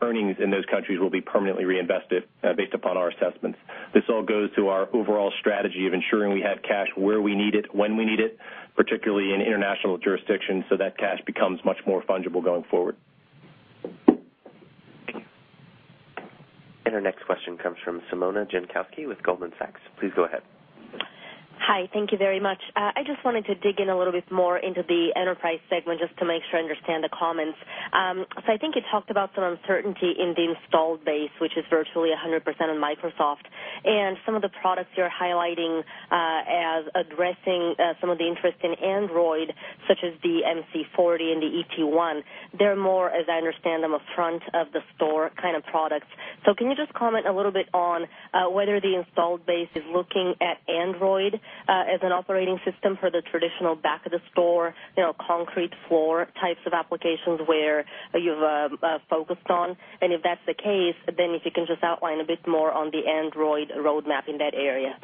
earnings in those countries will be permanently reinvested based upon our assessments. This all goes to our overall strategy of ensuring we have cash where we need it, when we need it, particularly in international jurisdictions so that cash becomes much more fungible going forward. Thank you. And our next question comes from Simona Jankowski with Goldman Sachs. Please go ahead. Hi. Thank you very much. I just wanted to dig in a little bit more into the enterprise segment just to make sure I understand the comments. So I think you talked about some uncertainty in the installed base, which is virtually 100% on Microsoft. Some of the products you're highlighting as addressing some of the interest in Android, such as the MC40 and the ET1, they're more, as I understand them, a front-of-the-store kind of products. So can you just comment a little bit on whether the installed base is looking at Android as an operating system for the traditional back-of-the-store, concrete floor types of applications where you've focused on? And if that's the case, then if you can just outline a bit more on the Android roadmap in that area.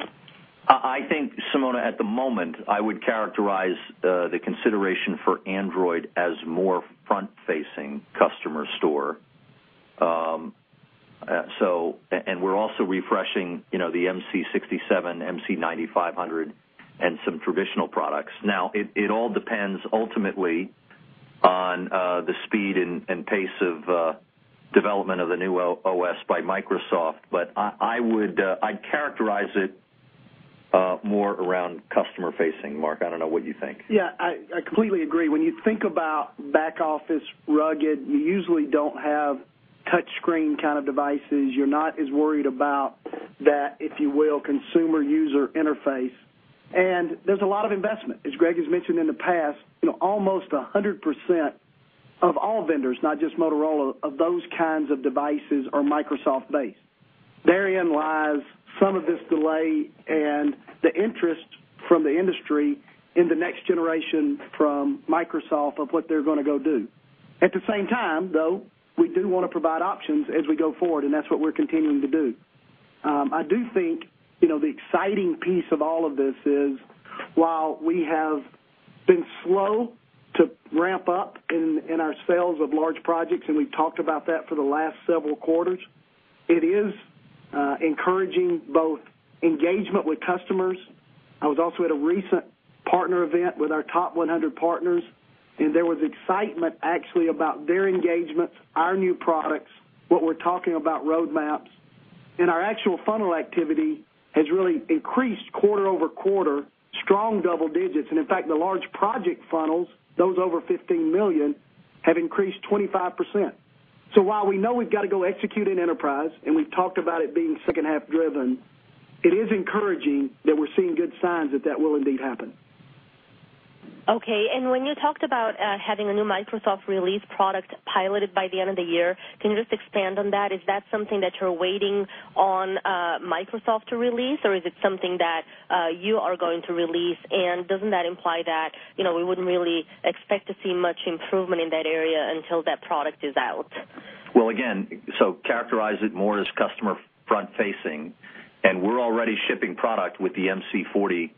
I think, Simona, at the moment, I would characterize the consideration for Android as more front-facing customer store. And we're also refreshing the MC67, MC9500, and some traditional products. Now, it all depends ultimately on the speed and pace of development of the new OS by Microsoft. But I'd characterize it more around customer-facing. Mark, I don't know what you think. Yeah, I completely agree. When you think about back office, rugged, you usually don't have touchscreen kind of devices. You're not as worried about that, if you will, consumer user interface. And there's a lot of investment. As Greg has mentioned in the past, almost 100% of all vendors, not just Motorola, of those kinds of devices are Microsoft-based. Therein lies some of this delay and the interest from the industry in the next generation from Microsoft of what they're going to go do. At the same time, though, we do want to provide options as we go forward, and that's what we're continuing to do. I do think the exciting piece of all of this is, while we have been slow to ramp up in our sales of large projects, and we've talked about that for the last several quarters, it is encouraging both engagement with customers. I was also at a recent partner event with our top 100 partners, and there was excitement actually about their engagements, our new products, what we're talking about roadmaps. And our actual funnel activity has really increased quarter-over-quarter, strong double digits. And in fact, the large project funnels, those over $15 million, have increased 25%. So while we know we've got to go execute in enterprise, and we've talked about it being second half driven, it is encouraging that we're seeing good signs that that will indeed happen. Okay. And when you talked about having a new Microsoft release product piloted by the end of the year, can you just expand on that? Is that something that you're waiting on Microsoft to release, or is it something that you are going to release? Doesn't that imply that we wouldn't really expect to see much improvement in that area until that product is out? Well, again, characterize it more as customer front-facing. We're already shipping product with the MC40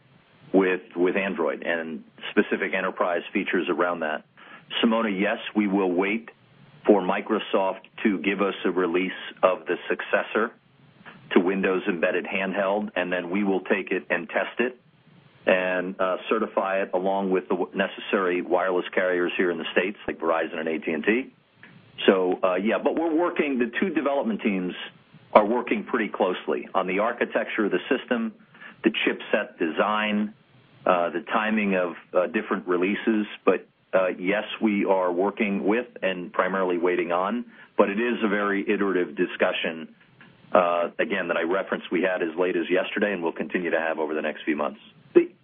with Android and specific enterprise features around that. Simona, yes, we will wait for Microsoft to give us a release of the successor to Windows Embedded Handheld, and then we will take it and test it and certify it along with the necessary wireless carriers here in the states like Verizon and AT&T. So yeah, but we're working. The two development teams are working pretty closely on the architecture, the system, the chipset design, the timing of different releases. But yes, we are working with and primarily waiting on, but it is a very iterative discussion. Again, that I referenced we had as late as yesterday and will continue to have over the next few months.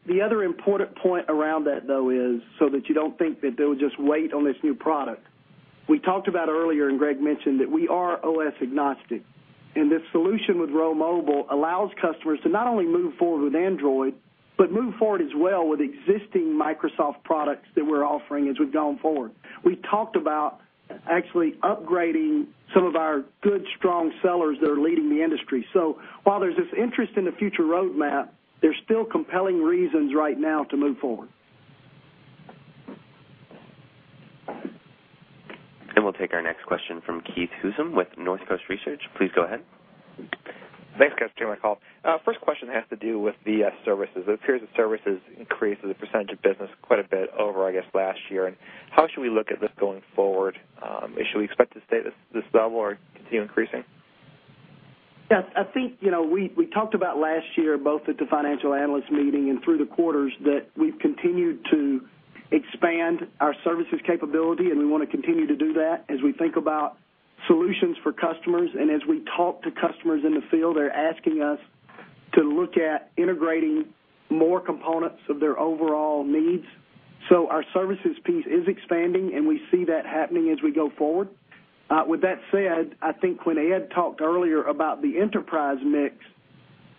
The other important point around that, though, is so that you don't think that they would just wait on this new product. We talked about earlier, and Greg mentioned that we are OS agnostic. And this solution with RhoMobile allows customers to not only move forward with Android, but move forward as well with existing Microsoft products that we're offering as we've gone forward. We talked about actually upgrading some of our good, strong sellers that are leading the industry. So while there's this interest in the future roadmap, there's still compelling reasons right now to move forward. And we'll take our next question from Keith Housum with Northcoast Research. Please go ahead. Thanks, guys. Thank you, Michael. First question has to do with the services. It appears that services increased the percentage of business quite a bit over, I guess, last year. How should we look at this going forward? Should we expect to stay at this level or continue increasing? Yes. I think we talked about last year, both at the financial analyst meeting and through the quarters, that we've continued to expand our services capability, and we want to continue to do that as we think about solutions for customers. As we talk to customers in the field, they're asking us to look at integrating more components of their overall needs. Our services piece is expanding, and we see that happening as we go forward. With that said, I think when Ed talked earlier about the enterprise mix,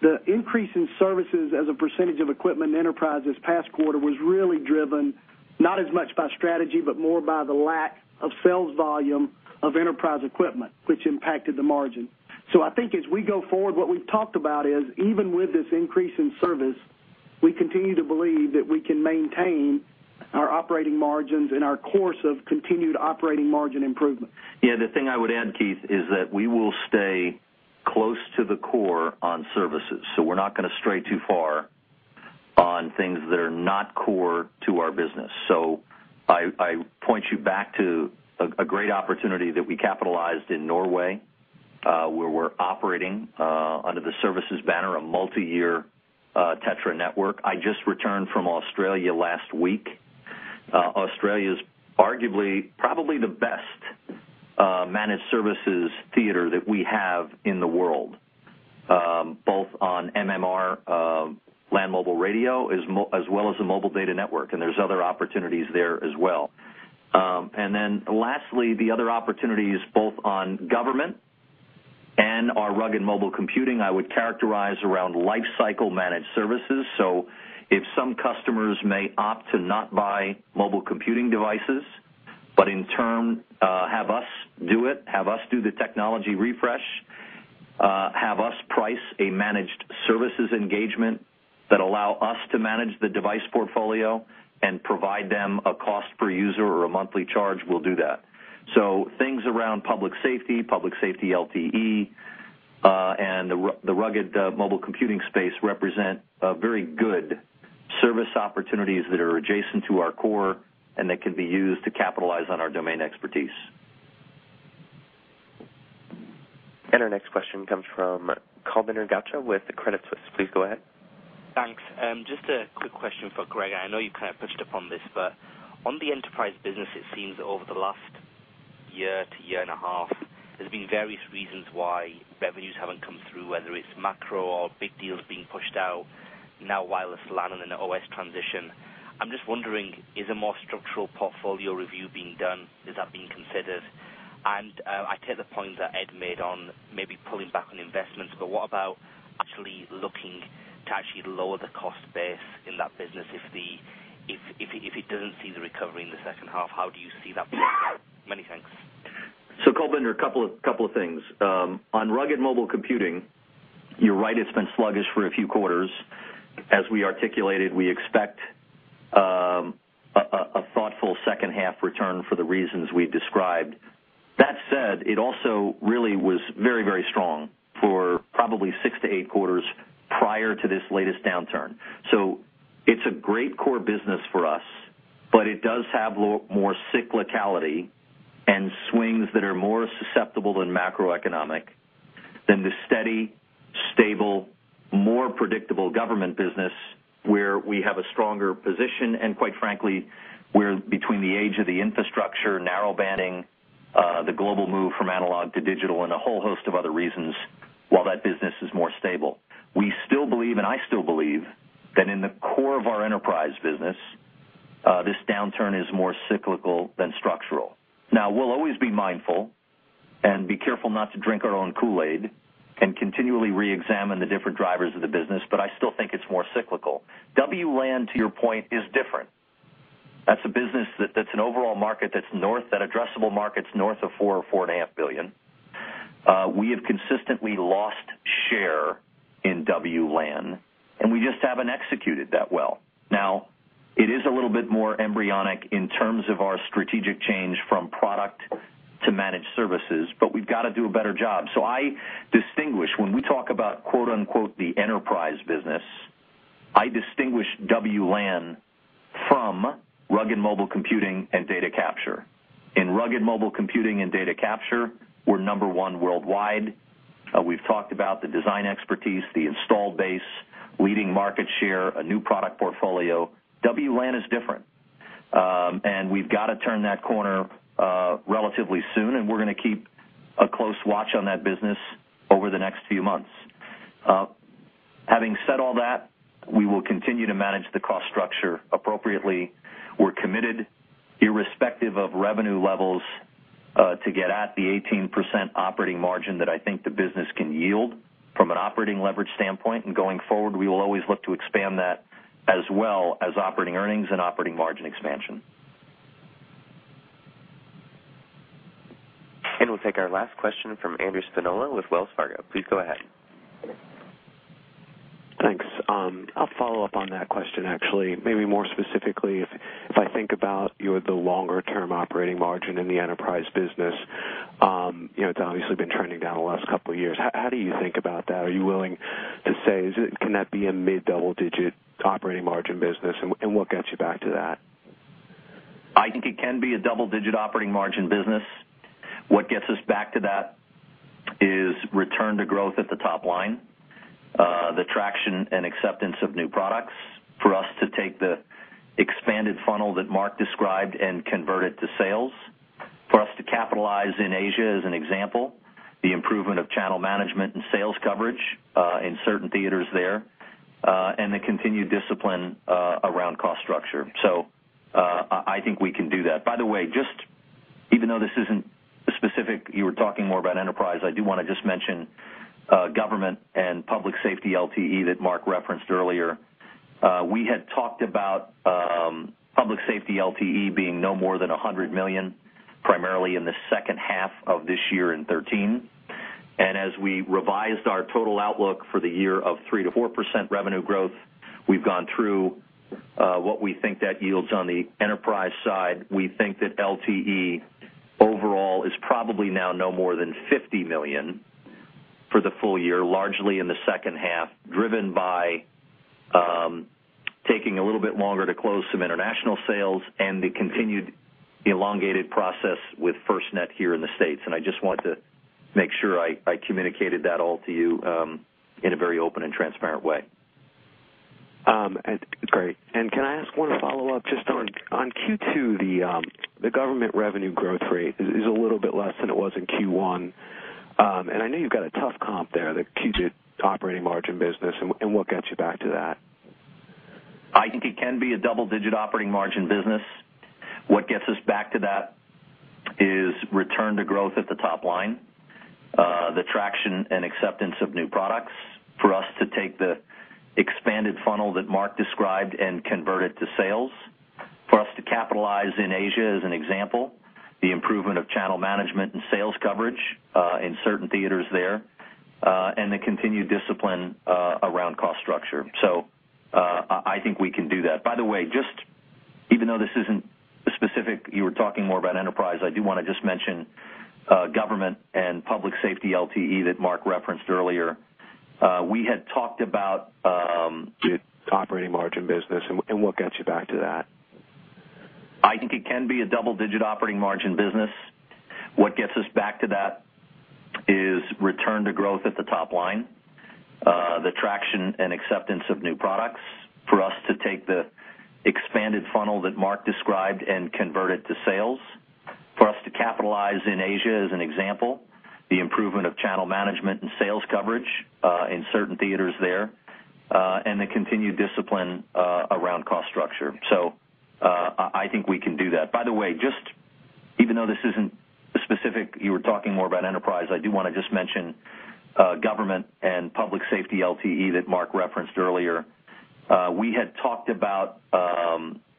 the increase in services as a percentage of equipment enterprise this past quarter was really driven not as much by strategy, but more by the lack of sales volume of enterprise equipment, which impacted the margin. So I think as we go forward, what we've talked about is, even with this increase in service, we continue to believe that we can maintain our operating margins and our course of continued operating margin improvement. Yeah. The thing I would add, Keith, is that we will stay close to the core on services. So we're not going to stray too far on things that are not core to our business. So I point you back to a great opportunity that we capitalized in Norway, where we're operating under the services banner, a multi-year TETRA network. I just returned from Australia last week. Australia's arguably probably the best managed services theater that we have in the world, both on LMR, land mobile radio, as well as a mobile data network. There's other opportunities there as well. Then lastly, the other opportunities both on government and our rugged mobile computing, I would characterize around lifecycle managed services. So if some customers may opt to not buy mobile computing devices, but in turn have us do it, have us do the technology refresh, have us price a managed services engagement that allows us to manage the device portfolio and provide them a cost per user or a monthly charge, we'll do that. So things around public safety, public safety LTE, and the rugged mobile computing space represent very good service opportunities that are adjacent to our core and that can be used to capitalize on our domain expertise. Our next question comes from Kulbinder Garcha with Credit Suisse. Please go ahead. Thanks. Just a quick question for Greg. I know you kind of touched upon this, but on the enterprise business, it seems that over the last year to year and a half, there's been various reasons why revenues haven't come through, whether it's macro or big deals being pushed out, now wireless LAN and an OS transition. I'm just wondering, is a more structural portfolio review being done? Is that being considered? I take the points that Ed made on maybe pulling back on investments, but what about actually looking to actually lower the cost base in that business if it doesn't see the recovery in the second half? How do you see that? Many thanks. So Kulbinder, a couple of things. On rugged mobile computing, you're right, it's been sluggish for a few quarters. As we articulated, we expect a thoughtful second-half return for the reasons we described. That said, it also really was very, very strong for probably six to eight quarters prior to this latest downturn. So it's a great core business for us, but it does have more cyclicality and swings that are more susceptible than macroeconomic than the steady, stable, more predictable government business where we have a stronger position. And quite frankly, we're between the age of the infrastructure, narrowbanding, the global move from analog to digital, and a whole host of other reasons, while that business is more stable. We still believe, and I still believe that in the core of our enterprise business, this downturn is more cyclical than structural. Now, we'll always be mindful and be careful not to drink our own Kool-Aid and continually re-examine the different drivers of the business, but I still think it's more cyclical. WLAN, to your point, is different. That's an overall market that's north, that addressable market's north of $4 billion-$4.5 billion. We have consistently lost share in WLAN, and we just haven't executed that well. Now, it is a little bit more embryonic in terms of our strategic change from product to managed services, but we've got to do a better job. So I distinguish when we talk about "the enterprise business." I distinguish WLAN from rugged mobile computing and data capture. In rugged mobile computing and data capture, we're number one worldwide. We've talked about the design expertise, the installed base, leading market share, a new product portfolio. WLAN is different. We've got to turn that corner relatively soon, and we're going to keep a close watch on that business over the next few months. Having said all that, we will continue to manage the cost structure appropriately. We're committed, irrespective of revenue levels, to get at the 18% operating margin that I think the business can yield from an operating leverage standpoint. Going forward, we will always look to expand that as well as operating earnings and operating margin expansion. We'll take our last question from Andrew Spinola with Wells Fargo. Please go ahead. Thanks. I'll follow up on that question, actually. Maybe more specifically, if I think about the longer-term operating margin in the enterprise business, it's obviously been trending down the last couple of years. How do you think about that? Are you willing to say, can that be a mid-double-digit operating margin business, and what gets you back to that? I think it can be a double-digit operating margin business. What gets us back to that is return to growth at the top line, the traction and acceptance of new products for us to take the expanded funnel that Mark described and convert it to sales, for us to capitalize in Asia as an example, the improvement of channel management and sales coverage in certain theaters there, and the continued discipline around cost structure. So I think we can do that. By the way, just even though this isn't specific, you were talking more about enterprise. I do want to just mention government and public safety LTE that Mark referenced earlier. We had talked about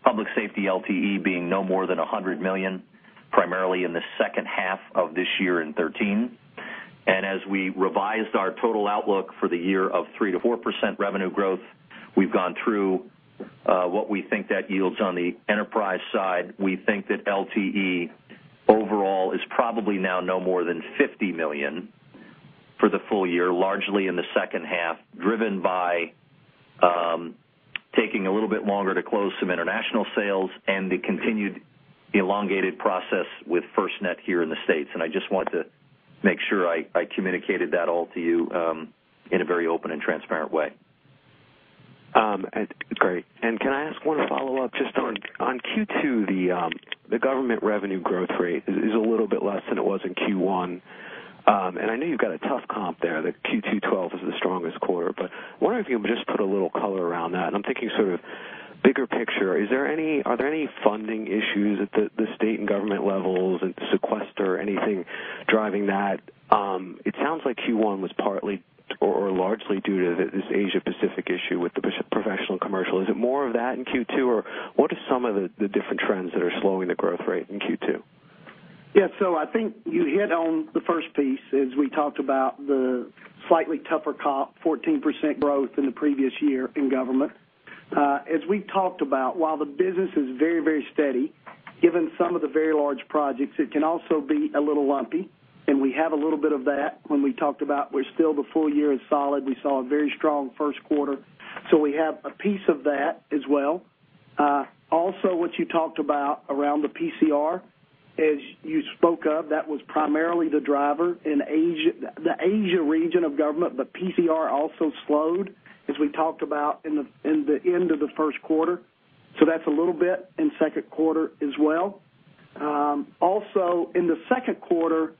public safety LTE being no more than $100 million, primarily in the second half of this year in 2013. And as we revised our total outlook for the year of 3%-4% revenue growth, we've gone through what we think that yields on the enterprise side. We think that LTE overall is probably now no more than $50 million for the full year, largely in the second half, driven by taking a little bit longer to close some international sales and the continued elongated process with FirstNet here in the States. And I just want to make sure I communicated that all to you in a very open and transparent way. or largely due to this Asia-Pacific issue with the professional commercial. Is it more of that in Q2, or what are some of the different trends that are slowing the growth rate in Q2? Yeah. So I think you hit on the first piece as we talked about the slightly tougher comp, 14% growth in the previous year in government. As we talked about, while the business is very, very steady, given some of the very large projects, it can also be a little lumpy. We have a little bit of that when we talked about. We're still the full year is solid. We saw a very strong first quarter. We have a piece of that as well. Also, what you talked about around the PCR, as you spoke of, that was primarily the driver in the Asia region of government, but PCR also slowed, as we talked about in the end of the first quarter. That's a little bit in second quarter as well. Also, in the second quarter,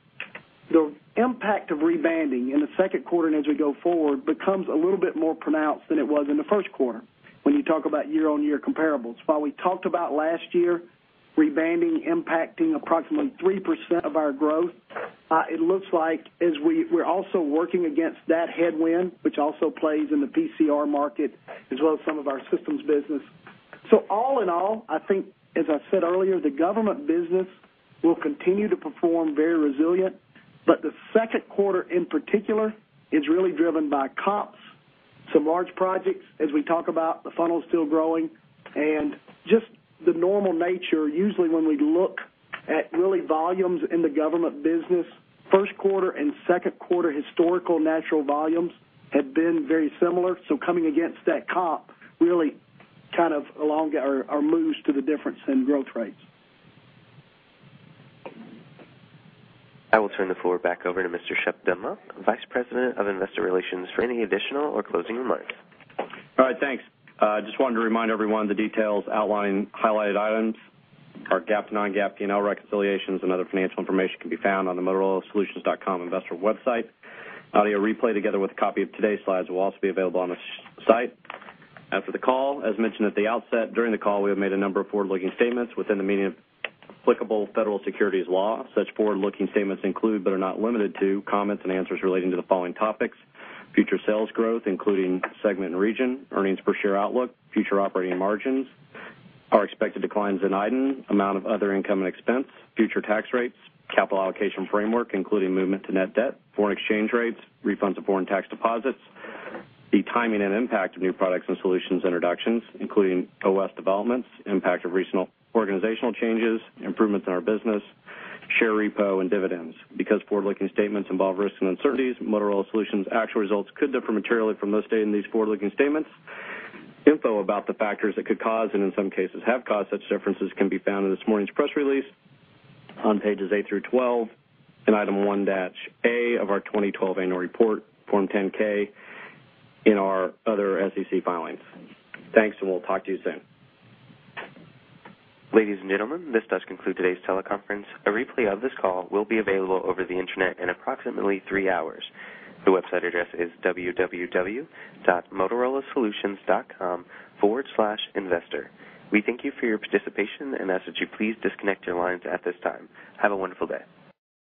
the impact of rebanding in the second quarter and as we go forward becomes a little bit more pronounced than it was in the first quarter when you talk about year-on-year comparables. While we talked about last year rebanding impacting approximately 3% of our growth, it looks like as we're also working against that headwind, which also plays in the PCR market as well as some of our systems business. So all in all, I think, as I said earlier, the government business will continue to perform very resilient. But the second quarter in particular is really driven by comps, some large projects, as we talk about the funnel still growing, and just the normal nature. Usually, when we look at really volumes in the government business, first quarter and second quarter historical natural volumes have been very similar. So coming against that comp really kind of elongate our moves to the difference in growth rates. I will turn the floor back over to Mr. Shep Dunlap, Vice President of Investor Relations. Any additional or closing remarks? All right. Thanks. Just wanted to remind everyone the details outlined highlighted items, our GAAP to non-GAAP P&L reconciliations, and other financial information can be found on the motorolasolutions.com investor website. Audio replay together with a copy of today's slides will also be available on the site. After the call, as mentioned at the outset, during the call, we have made a number of forward-looking statements within the meaning of applicable federal securities law. Such forward-looking statements include, but are not limited to, comments and answers relating to the following topics: future sales growth, including segment and region, earnings per share outlook, future operating margins, our expected declines in iDEN, amount of other income and expense, future tax rates, capital allocation framework, including movement to net debt, foreign exchange rates, refunds of foreign tax deposits, the timing and impact of new products and solutions introductions, including OS developments, impact of regional organizational changes, improvements in our business, share repurchase, and dividends. Because forward-looking statements involve risks and uncertainties, Motorola Solutions' actual results could differ materially from those stated in these forward-looking statements. Information about the factors that could cause and in some cases have caused such differences can be found in this morning's press release on pages eight through 12 in Item 1-A of our 2012 annual report, Form 10-K in our other SEC filings. Thanks, and we'll talk to you soon. Ladies and gentlemen, this does conclude today's teleconference. A replay of this call will be available over the internet in approximately three hours. The website address is www.motorolasolutions.com/investor. We thank you for your participation, and ask that you please disconnect your lines at this time. Have a wonderful day.